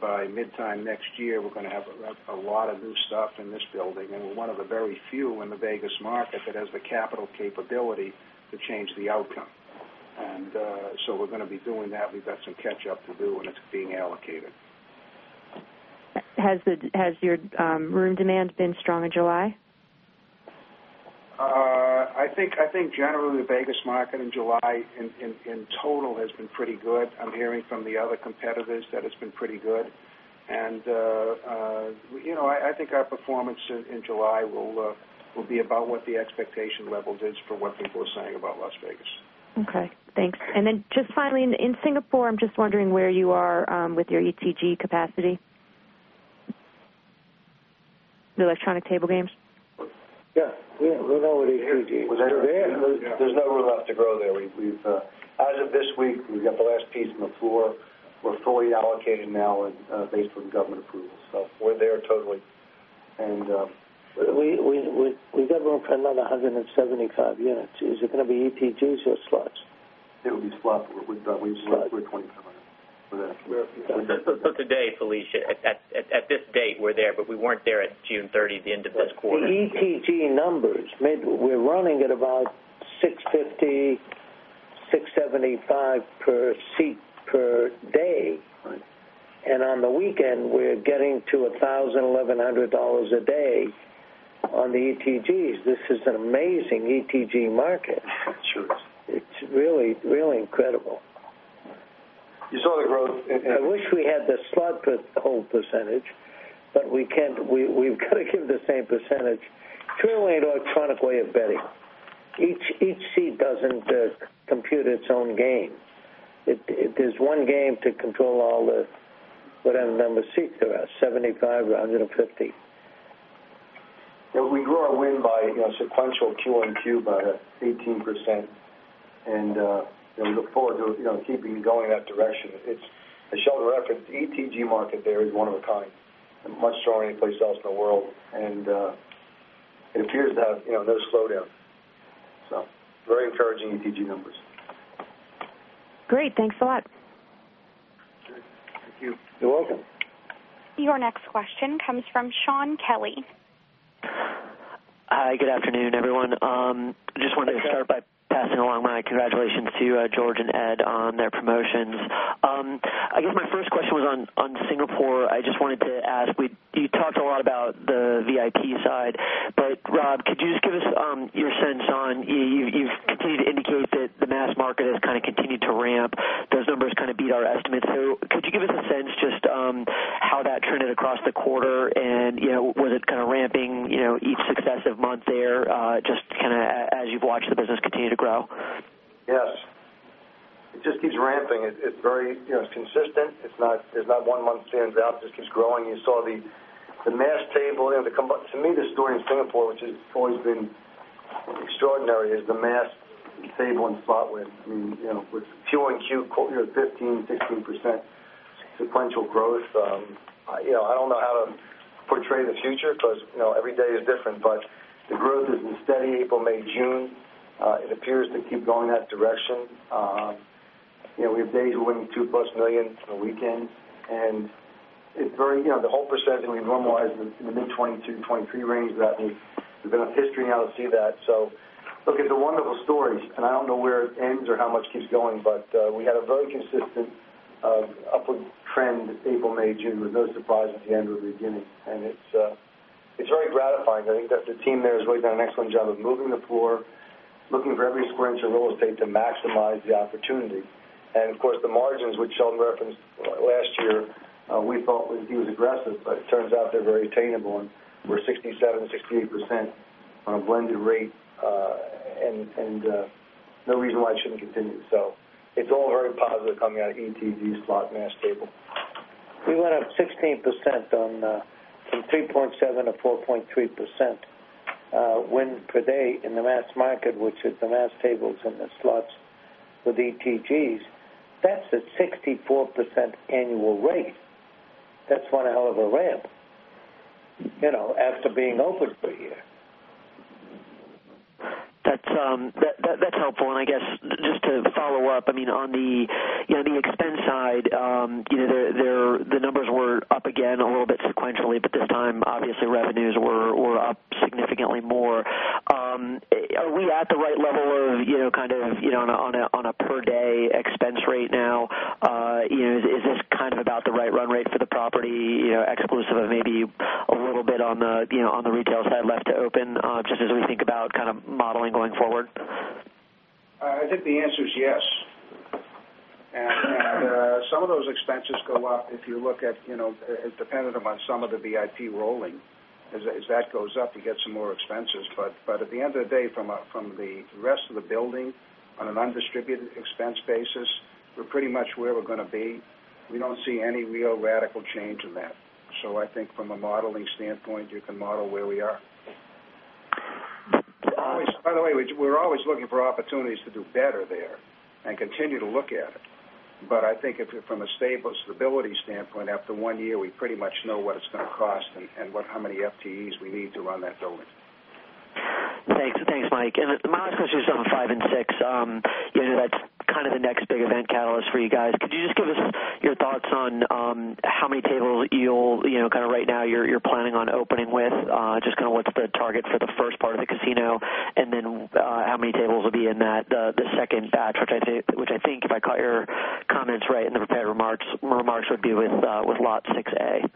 By mid-time next year, we're going to have a lot of new stuff in this building, and we're one of the very few in the Vegas market that has the capital capability to change the outcome. We're going to be doing that. We've got some catch-up to do, and it's being allocated. Has your room demand been strong in July? I think generally, the Vegas market in July in total has been pretty good. I'm hearing from the other competitors that it's been pretty good. I think our performance in July will be about what the expectation level is for what people are saying about Las Vegas. Okay. Thanks. Finally, in Singapore, I'm just wondering where you are with your ETG capacity, the electronic table games? Yeah, we're already here. Was that it? There's no room left to grow there. As of this week, we've got the last piece on the floor. We're fully allocated now based on government approval. We're there totally. We've got room for another 175 units. Is it going to be ETGs or slots? It will be slots. We're 25 units. Felicia, at this date, we're there, but we weren't there at June 30, the end of this quarter. The ETG numbers, we're running at about 650, 675 per seat per day. Right. On the weekend, we're getting to $1,000, $1,100 a day on the ETGs. This is an amazing ETG market. It sure is. It's really, really incredible. You saw the growth. I wish we had the slot hold percentage, but we can't. We've got to give the same percentage. It's really an electronic way of betting. Each seat doesn't compute its own gain. There's one game to control all the whatever number seats there are, 75 or 150. Yeah. We grew our win by sequential QoQ by 18%. We look forward to keeping it going in that direction. As Sheldon referenced, the ETG market there is one of a kind, much stronger than anyplace else in the world. It appears to have no slowdown. Very encouraging ETG numbers. Great, thanks a lot. You're welcome. Your next question comes from Shaun Kelley. Hi. Good afternoon, everyone. I just wanted to start by passing along my congratulations to George and Ed on their promotions. I guess my first question was on Singapore. I just wanted to ask, you talked a lot about the VIP side, but Rob, could you just give us your sense on you've indicated that the mass market has kind of continued to ramp. Those numbers kind of beat our estimates. Could you give us a sense just how that trended across the quarter? Was it kind of ramping each successive month there, just as you've watched the business continue to grow? Yes. It just keeps ramping. It's very consistent. There's not one month that stands out. It just keeps growing. You saw the mass table. To me, this is during Singapore, which has always been extraordinary, is the mass table and slot win. I mean, you know, with QoQ, you're at 15%, 16% sequential growth. I don't know how to portray the future because you know every day is different, but the growth is in steady April, May, June. It appears to keep going in that direction. We have days we're winning $2+ million on the weekend. It's very, you know, the hold percentage that we normalized in the mid-22%, 23% range that we've been in history now to see that. Look, it's a wonderful story. I don't know where it ends or how much keeps going, but we had a very consistent upward trend in April, May, June, with no surprise at the end or the beginning. It's very gratifying. I think that the team there has really done an excellent job of moving the floor, looking for every square inch of real estate to maximize the opportunity. Of course, the margins, which Sheldon referenced last year, we thought he was aggressive, but it turns out they're very attainable. We're 67%, 68% on a blended rate, and no reason why it shouldn't continue. It's all very positive coming out of ETG slot mass table. We went up 16% from 3.7% to 4.3% win per day in the mass market, which is the mass tables and the slots with ETGs. That's a 64% annual rate. That's one hell of a ramp, you know, after being open for a year. That's helpful. Just to follow up, on the expense side, the numbers were up again a little bit sequentially, but this time, obviously, revenues were up significantly more. Are we at the right level of, you know, on a per-day expense rate now? Is this kind of about the right run rate for the property, exclusive of maybe a little bit on the retail side left to open, just as we think about modeling going forward? I think the answer is yes. Some of those expenses go up if you look at, you know, as dependent upon some of the VIP rolling. As that goes up, you get some more expenses. At the end of the day, from the rest of the building on an undistributed expense basis, we're pretty much where we're going to be. We don't see any real radical change in that. I think from a modeling standpoint, you can model where we are. By the way, we're always looking for opportunities to do better there and continue to look at it. I think if it's from a stable stability standpoint, after one year, we pretty much know what it's going to cost and how many FTEs we need to run that building. Thanks, Mike. My last question is on 5 and 6. That's kind of the next big event catalyst for you guys. Could you give us your thoughts on how many tables you're right now planning on opening with, what's the target for the first part of the casino, and then how many tables will be in the second batch, which I think, if I caught your comments right in the prepared remarks, would be with Lot 6A?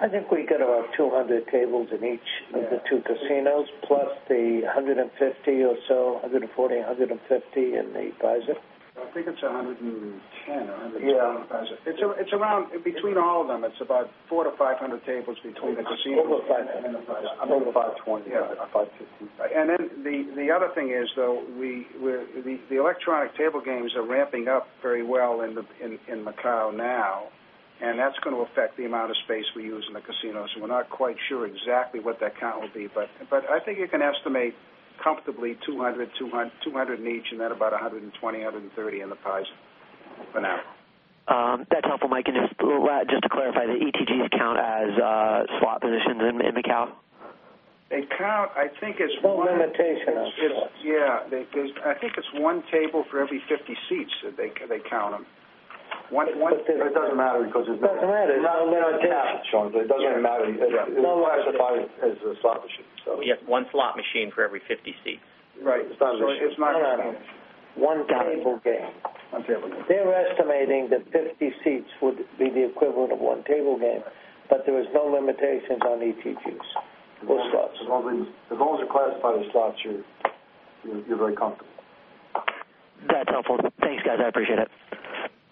I think we could have about 200 tables in each of the two casinos, plus the 140 or 150 in the advisor. I think it's $110 million, $100 million in the advisor. Yeah, it's around between all of them. It's about 400-500 tables between the casinos. Over 500 in the advisor. Over about 20, about 50. The electronic table games are ramping up very well in Macau now. That is going to affect the amount of space we use in the casinos. We're not quite sure exactly what that count will be. I think you can estimate comfortably 200 in each, and then about 120, 130 in the advisor for now. That's helpful, Mike. Just to clarify, the ETGs count as slot positions in Macau? They count. I think it's. Full limitation of it. Yeah, I think it's one table for every 50 seats that they count them. It doesn't matter because it's not a slot. It doesn't even matter. It's not a slot machine. You have one slot machine for every 50 seats. Right, it's not. One table game. One table game. They were estimating that 50 seats would be the equivalent of one table game, but there were no limitations on ETGs. As long as you classify your slots, you're very comfortable. That's helpful. Thanks, guys. I appreciate it.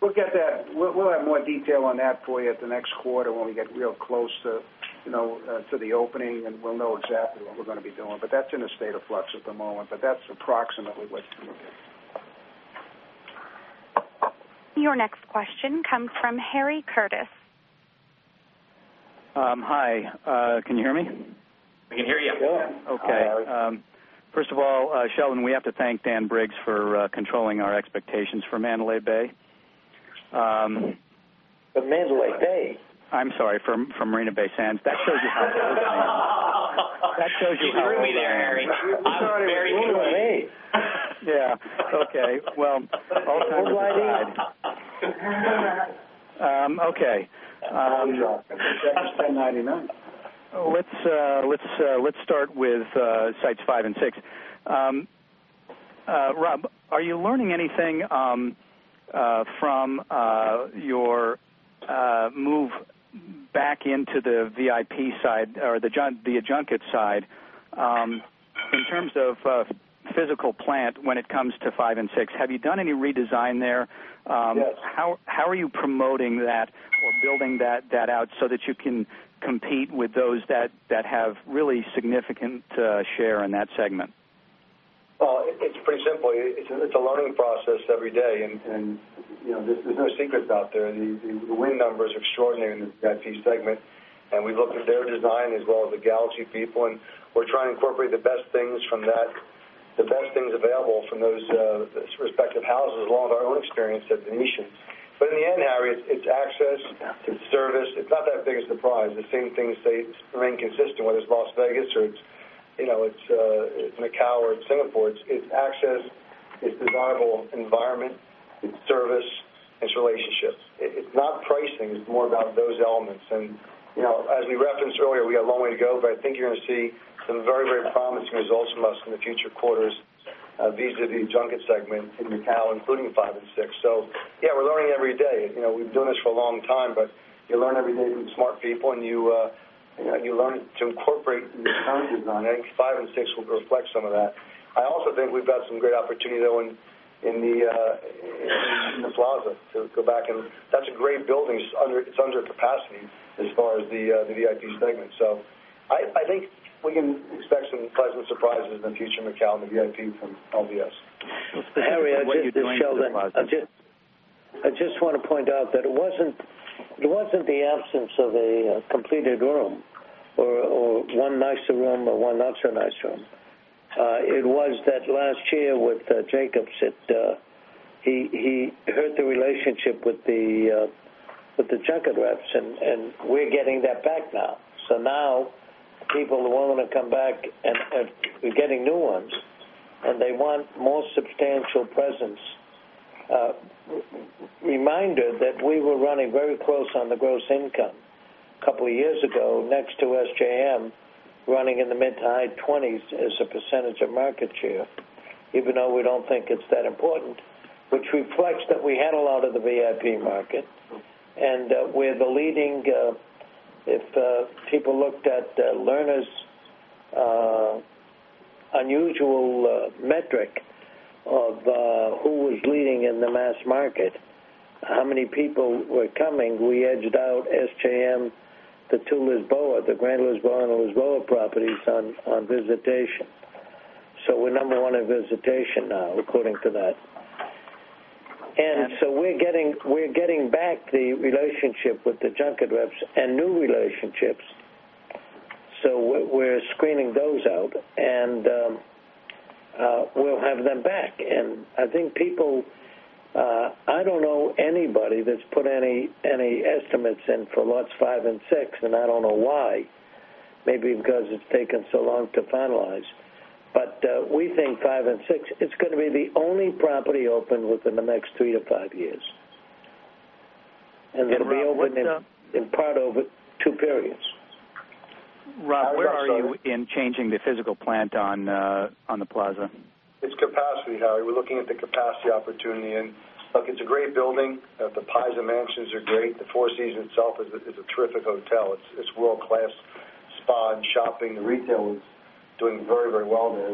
We'll have more detail on that for you at the next quarter when we get real close to, you know, to the opening, and we'll know exactly what we're going to be doing. That's in a state of flux at the moment. That's approximately what you can get. Your next question comes from Harry Curtis. Hi, can you hear me? We can hear you. Yeah. Okay. First of all, Sheldon, we have to thank Dan Briggs for controlling our expectations for Mandalay Bay. For Mandalay Bay? I'm sorry, from Marina Bay Sands. That shows you how it goes. That shows you who we were there, Harry. He's very true to me. Yeah. Okay. All kinds of things. Okay. Last 1099. Let's start with sites 5 and 6. Rob, are you learning anything from your move back into the VIP side or the junket side in terms of physical plant when it comes to 5 and 6? Have you done any redesign there? How are you promoting that or building that out so that you can compete with those that have really significant share in that segment? It's pretty simple. It's a learning process every day. There's no secrets out there. The win numbers are extraordinary in that team segment. We looked at their design as well as the Galaxy people, and we're trying to incorporate the best things from that, the best things available from those sort of effective houses along with our own experience at The Venetian. In the end, Harry, it's access, it's service. It's not that big a surprise. The same things remain consistent, whether it's Las Vegas or it's Macau or it's Singapore. It's access, it's a desirable environment, it's service, it's relationships. It's not pricing. It's more about those elements. As we referenced earlier, we have a long way to go, but I think you're going to see some very, very promising results from us in the future quarters. These are the junket segment in Macau, including 5 and 6. We're learning every day. We've done this for a long time, but you learn every day to be smart people, and you learn to incorporate new sound design. I think five and six will reflect some of that. I also think we've got some great opportunity in The Plaza to go back. That's a great building. It's under capacity as far as the VIP segment. I think we can expect some pleasant surprises in the future of Macau and the VIP from LVS. Harry, I just want to point out that it wasn't the absence of a completed room or one nicer room or one not so nice room. It was that last year with Jacobs, he hurt the relationship with the junket reps, and we're getting that back now. Now the people who want to come back, and we're getting new ones, and they want more substantial presence. Reminder that we were running very close on the gross income a couple of years ago, next to SJM, running in the mid to high 20s as a percentage of market share, even though we don't think it's that important, which reflects that we had a lot of the VIP market. We're the leading. If people looked at learners' unusual metric of who was leading in the mass market, how many people were coming, we edged out SJM to Lisboa, the Grand Lisboa and the Lisboa properties on visitation. We're number one in visitation now, according to that. We're getting back the relationship with the junket reps and new relationships. We're screening those out, and we'll have them back. I think people, I don't know anybody that's put any estimates in for Lots 5 and 6, and I don't know why. Maybe because it's taken so long to finalize. We think 5 and 6, it's going to be the only property open within the next three to five years. It'll be open in part over two periods. Rob, where are you in changing the physical plant on The Plaza? It's capacity, Harry. We're looking at the capacity opportunity. Look, it's a great building. The Paiza mansions are great. The Four Seasons itself is a terrific hotel. It's world-class spa and shopping. The retail is doing very, very well there.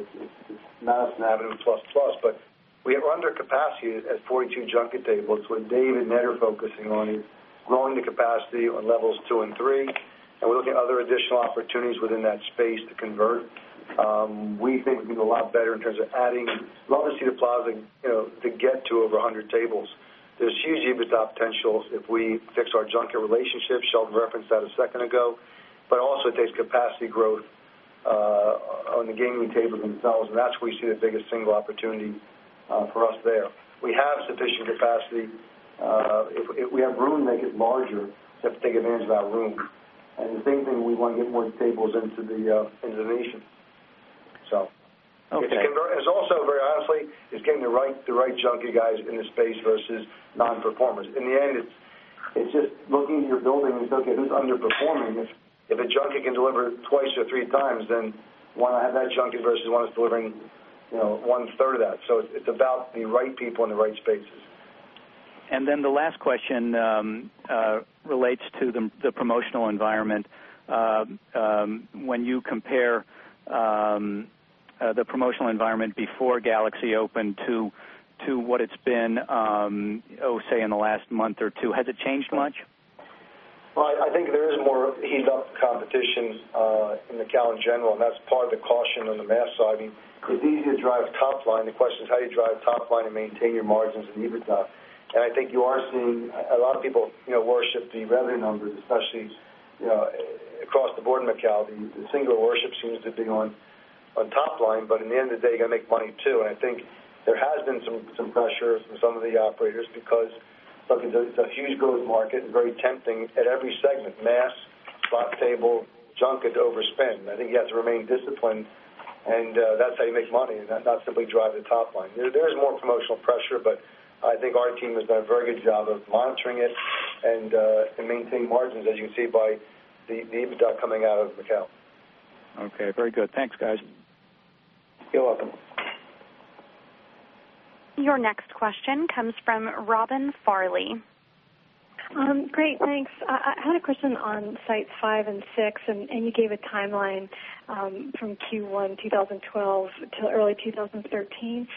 It's not a plus plus, but we're under capacity at 42 junket tables with David and Ed are focusing on growing the capacity on levels two and three. We look at other additional opportunities within that space to convert. We think we can do a lot better in terms of adding, as long as we see The Plaza, you know, to get to over 100 tables. There's huge EBITDA potential if we fix our junket relationship. Sheldon referenced that a second ago. It also takes capacity growth on the gaming tables themselves. That's where you see the biggest single opportunity for us there. We have sufficient capacity. If we have room, make it larger. We have to take advantage of that room. The same thing, we want to get more tables into The Venetian. It's also, very honestly, getting the right junket guys in the space versus non-performers. In the end, it's just looking at your building and looking at who's underperforming. If a junket can deliver twice or three times, then why not have that junket versus one that's delivering, you know, one-third of that? It's about the right people in the right spaces. The last question relates to the promotional environment. When you compare the promotional environment before Galaxy opened to what it's been in the last month or two, has it changed much? I think there is more heated-up competition in Macau in general, and that's part of the caution on the mass side. I mean, it's easy to drive top line. The question is how do you drive top line and maintain your margins and EBITDA? I think you are seeing a lot of people worship the revenue numbers, especially, you know, across the board in Macau. The single worship seems to be on top line, but at the end of the day, you got to make money too. I think there has been some pressure from some of the operators because it's a huge growth market and very tempting at every segment: mass, spot table, junket to overspend. I think you have to remain disciplined, and that's how you make money, and not simply drive the top line. There's more promotional pressure, but I think our team has done a very good job of monitoring it and maintaining margins, as you can see by the EBITDA coming out of Macau. Okay, very good. Thanks, guys. You're welcome. Your next question comes from Robin Farley. Great. Thanks. I had a question on sites 5 and 6, and you gave a timeline from Q1 2012 to early 2013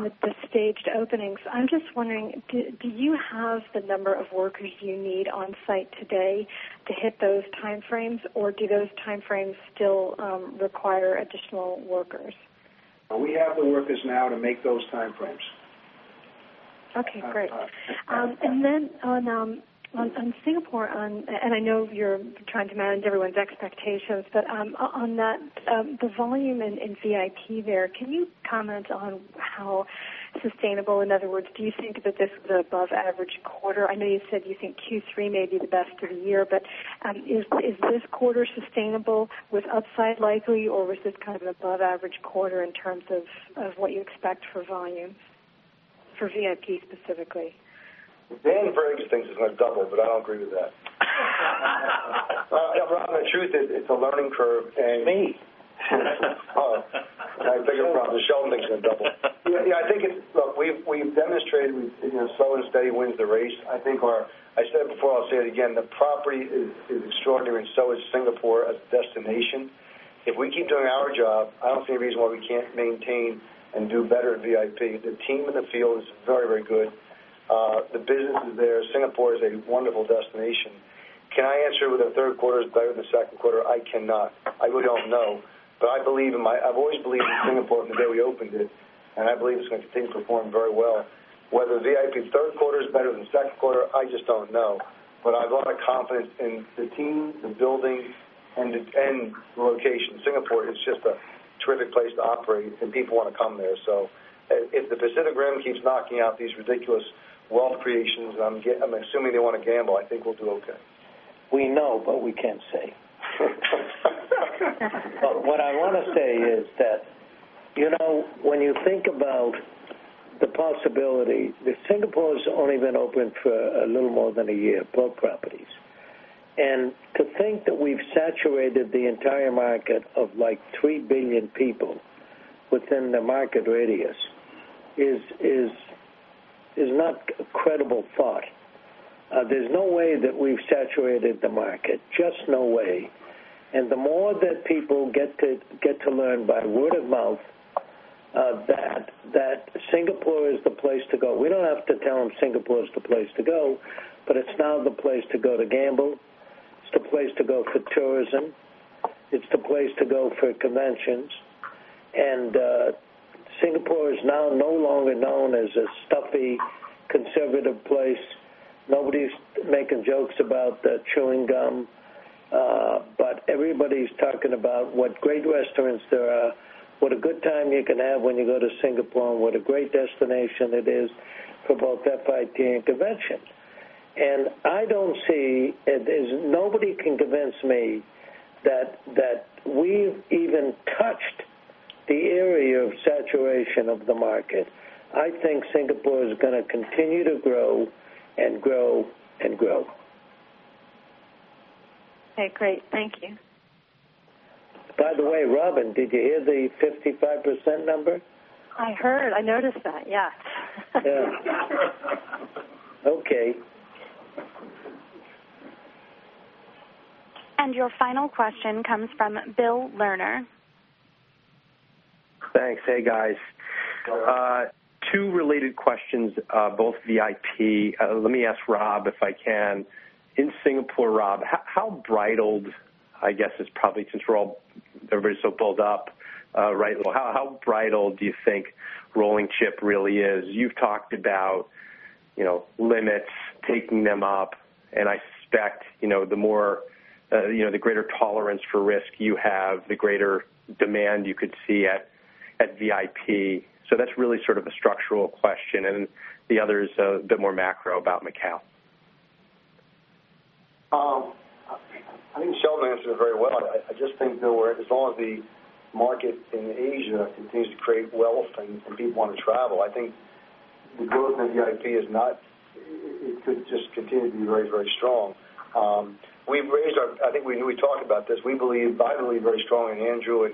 with the staged openings. I'm just wondering, do you have the number of workers you need on site today to hit those timeframes, or do those timeframes still require additional workers? We have the workers now to make those timeframes. Okay. Great. On Singapore, I know you're trying to manage everyone's expectations. On the volume in VIP there, can you comment on how sustainable it is? In other words, do you think that this is an above-average quarter? I know you said you think Q3 may be the best of the year, but is this quarter sustainable with upside likely, or was this kind of an above-average quarter in terms of what you expect for volume for VIP specifically? Dan Briggs thinks it's going to double, but I don't agree with that. I'll be honest with you, it's a learning curve. Me. Oh, I had a bigger problem. Sheldon thinks it's going to double. I think we've demonstrated slow and steady wins the race. I said it before, I'll say it again, the property is extraordinary, and so is Singapore as a destination. If we keep doing our job, I don't see any reason why we can't maintain and do better in VIP. The team in the field is very, very good. The business is there. Singapore is a wonderful destination. Can I answer whether the third quarter is better than the second quarter? I cannot. I really don't know. I believe in my, I've always believed in Singapore from the day we opened it, and I believe it's going to continue to perform very well. Whether VIP's third quarter is better than the second quarter, I just don't know. I have a lot of confidence in the team, the building, and the location. Singapore is just a terrific place to operate, and people want to come there. If the Pacific Rim keeps knocking out these ridiculous wealth creations, and I'm assuming they want to gamble, I think we'll do okay. We know, but we can't say. What I want to say is that, you know, when you think about the possibility, Singapore's only been open for a little more than a year, both properties. To think that we've saturated the entire market of like 3 billion people within the market radius is not a credible thought. There's no way that we've saturated the market, just no way. The more that people get to learn by word of mouth that Singapore is the place to go. We don't have to tell them Singapore is the place to go, but it's now the place to go to gamble. It's the place to go for tourism. It's the place to go for conventions. Singapore is now no longer known as a stuffy, conservative place. Nobody's making jokes about chewing gum, but everybody's talking about what great restaurants there are, what a good time you can have when you go to Singapore, and what a great destination it is for both FIT and convention. I don't see it as nobody can convince me that we've even touched the area of saturation of the market. I think Singapore is going to continue to grow and grow and grow. Okay. Great. Thank you. By the way, Robin, did you hear the 55% number? I heard. I noticed that. Yes. Yeah. Okay. Your final question comes from Bill Lerner. Thanks. Hey, guys. Two related questions, both VIP. Let me ask Rob if I can. In Singapore, Rob, how bridled, I guess, is probably since we're all, everybody's so balled up, right? How bridled do you think rolling chip really is? You've talked about, you know, limits taking them up. I suspect the more, you know, the greater tolerance for risk you have, the greater demand you could see at VIP. That's really sort of a structural question. The other is a bit more macro about Macau. I think Sheldon answered it very well. I just think, though, as long as the market in Asia continues to create wealth and people want to travel, I think the growth in VIP is not, it could just continue to be very, very strong. We've raised our, I think we knew we talked about this. We believe, I believe very strongly, Andrew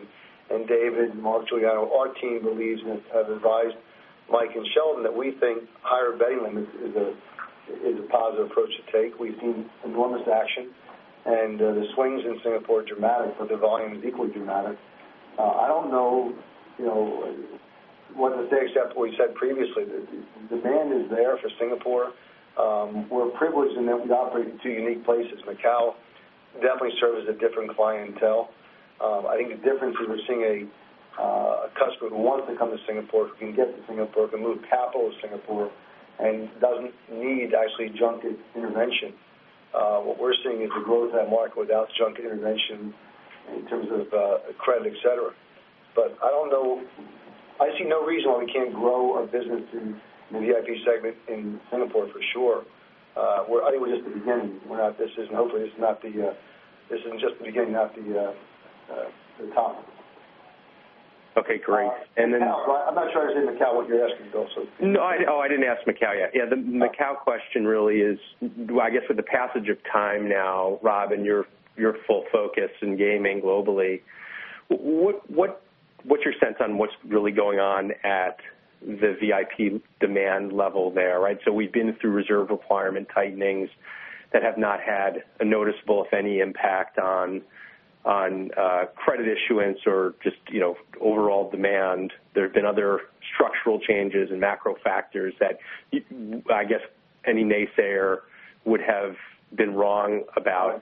and David and Mark [Juliano], our team believes and have advised Mike and Sheldon that we think higher betting limits is a positive approach to take. We've seen enormous action, and the swings in Singapore are dramatic, but the volume is equally dramatic. I don't know what mistakes that we said previously. The demand is there for Singapore. We're privileged in that we operate in two unique places. Macau definitely serves a different clientele. I think the difference is we're seeing a customer who wants to come to Singapore, who can get to Singapore, who can move capital to Singapore, and doesn't need to actually junket intervention. What we're seeing is the growth of that market without junket intervention in terms of credit, etc. I see no reason why we can't grow our business in the VIP segment in Singapore for sure. I think we're just at the beginning. This isn't, hopefully, this is not the, this isn't just the beginning, not the top. Okay. Great. I'm not sure I understood Macau what you're asking, though. Oh, I didn't ask Macau yet. The Macau question really is, I guess with the passage of time now, Rob, in your full focus in gaming globally, what's your sense on what's really going on at the VIP demand level there, right? We've been through reserve requirement tightenings that have not had a noticeable, if any, impact on credit issuance or just, you know, overall demand. There have been other structural changes and macro-economic factors that, I guess, any naysayer would have been wrong about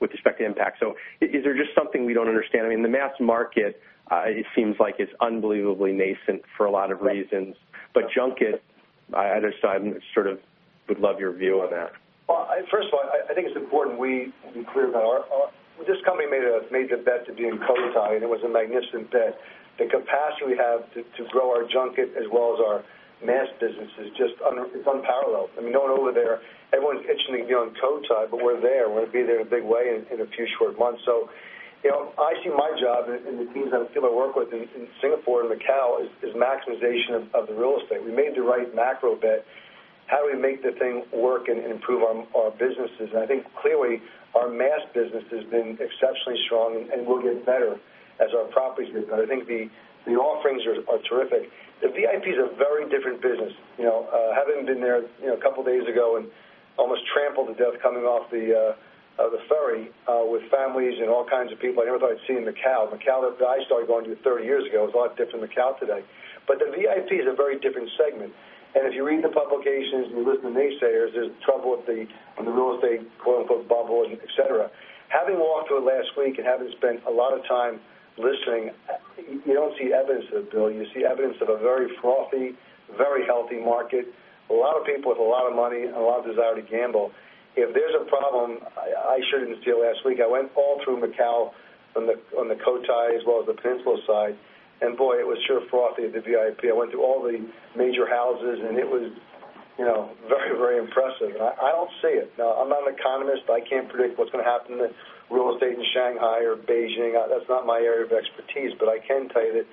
with respect to impact. Is there just something we don't understand? I mean, the mass market, it seems like it's unbelievably nascent for a lot of reasons. Junket, I understand, I sort of would love your view on that. First of all, I think it's important we be clear about our, this company made a major bet to be in Cotai, and it was a magnificent bet. The capacity we have to grow our junket as well as our mass business is just, it's unparalleled. I mean, no one over there, everyone's itching to be on Cotai, but we're there. We're going to be there in a big way in a few short months. You know, I see my job and the teams that I work with in Singapore and Macau is maximization of the real estate. We made the right macro bet. How do we make the thing work and improve our businesses? I think clearly our mass business has been exceptionally strong and will get better as our properties get better. I think the offerings are terrific. The VIP is a very different business. You know, having been there, you know, a couple of days ago and almost trampled to death coming off the ferry with families and all kinds of people, I never thought I'd see in Macau. Macau, that I started going to 30 years ago, was a lot different than Macau today. The VIP is a very different segment. If you read the publications and you listen to naysayers, there's trouble with the real estate, quote-unquote, "bubble," etc. Having walked through it last week and having spent a lot of time listening, you don't see evidence of it, Bill. You see evidence of a very frothy, very healthy market, a lot of people with a lot of money and a lot of desire to gamble. If there's a problem, I sure didn't see it last week. I went all through Macau on the Cotai as well as the peninsula side. Boy, it was sure frothy at the VIP. I went through all the major high houses, It was very, very impressive. I don't see it. Now, I'm not an economist. I can't predict what's going to happen to real estate in Shanghai or Beijing. That's not my area of expertise. I can tell you that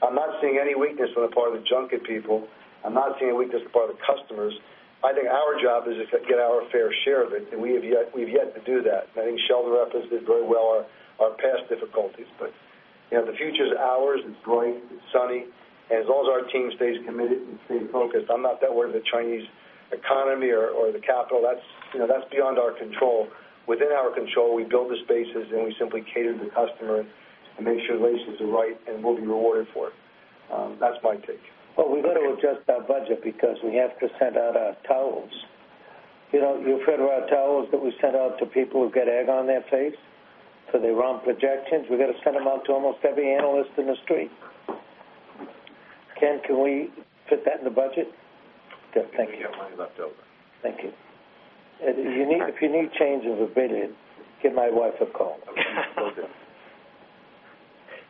I'm not seeing any weakness on the part of the junket people. I'm not seeing any weakness on the part of the customers. I think our job is just to get our fair share of it, and we have yet to do that. I think Sheldon referenced it very well on our past difficulties. The future's ours. It's bright. It's sunny. As long as our team stays committed and stays focused, I'm not that worried about the Chinese economy or the capital. That's beyond our control. Within our control, we build the spaces, and we simply cater to the customer and make sure the relationships are right, and we'll be rewarded for it. That's my take. We have to adjust our budget because we have to send out our towels. You know, you've heard about towels that we send out to people who get egg on their face for their wrong projections? We have to send them out to almost every analyst in the street. Ken, can we fit that in the budget? Yeah, thank you. I'm glad you left out that. Thank you. If you need change of a bit, give my wife a call. Okay,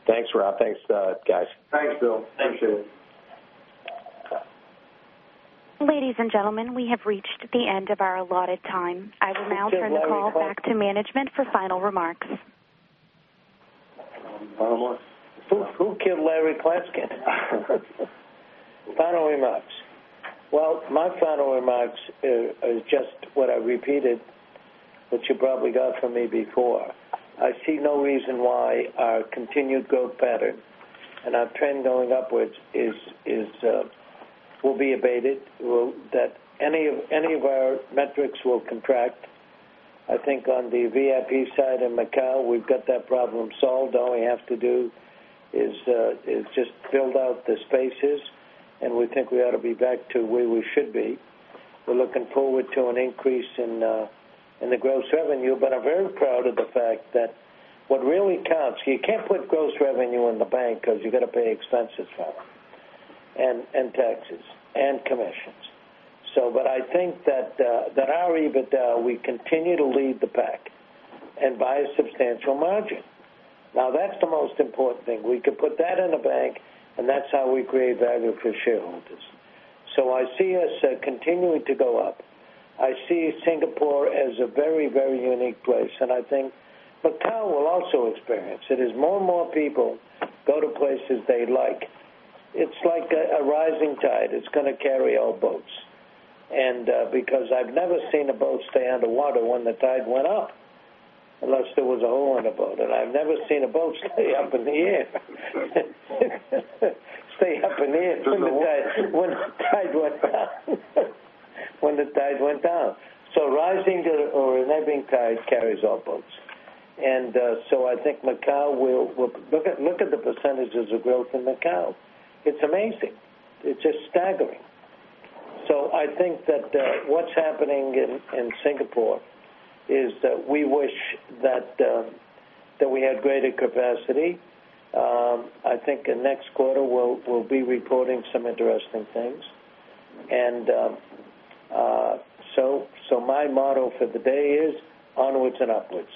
thanks, Rob. Thanks, guys. Thanks, Bill. Appreciate it. Ladies and gentlemen, we have reached the end of our allotted time. I will now turn the call back to management for final remarks. Final remarks? Who can [Larry Pletz] get? Final remarks. My final remarks are just what I repeated, which you probably got from me before. I see no reason why our continued growth pattern and our trend going upwards will be abated. I do not see that any of our metrics will contract. I think on the VIP side in Macau, we've got that problem solved. All we have to do is just build out the spaces, and we think we ought to be back to where we should be. We are looking forward to an increase in the gross revenue, but I'm very proud of the fact that what really counts, you can't put gross revenue in the bank because you have to pay expenses for them and taxes and commissions. I think that our EBITDA, we continue to lead the pack and by a substantial margin. That is the most important thing. We can put that in the bank, and that's how we create value for shareholders. I see us continuing to go up. I see Singapore as a very, very unique place, and I think Macau will also experience it as more and more people go to places they like. It's like a rising tide. It's going to carry all boats. I have never seen a boat stay underwater when the tide went up unless there was a hole in the boat. I have never seen a boat stay up in the air when the tide went down. A rising or an ebbing tide carries all boats. I think Macau will look at the percentages of growth in Macau. It's amazing. It's just staggering. I think that what's happening in Singapore is that we wish that we had greater capacity. I think the next quarter we will be reporting some interesting things. My motto for the day is onwards and upwards.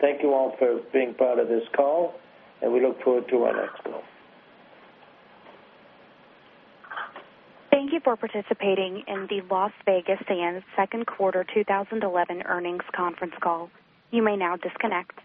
Thank you all for being part of this call, and we look forward to our next call. Thank you for participating in the Las Vegas Sands second quarter 2011 earnings conference call. You may now disconnect.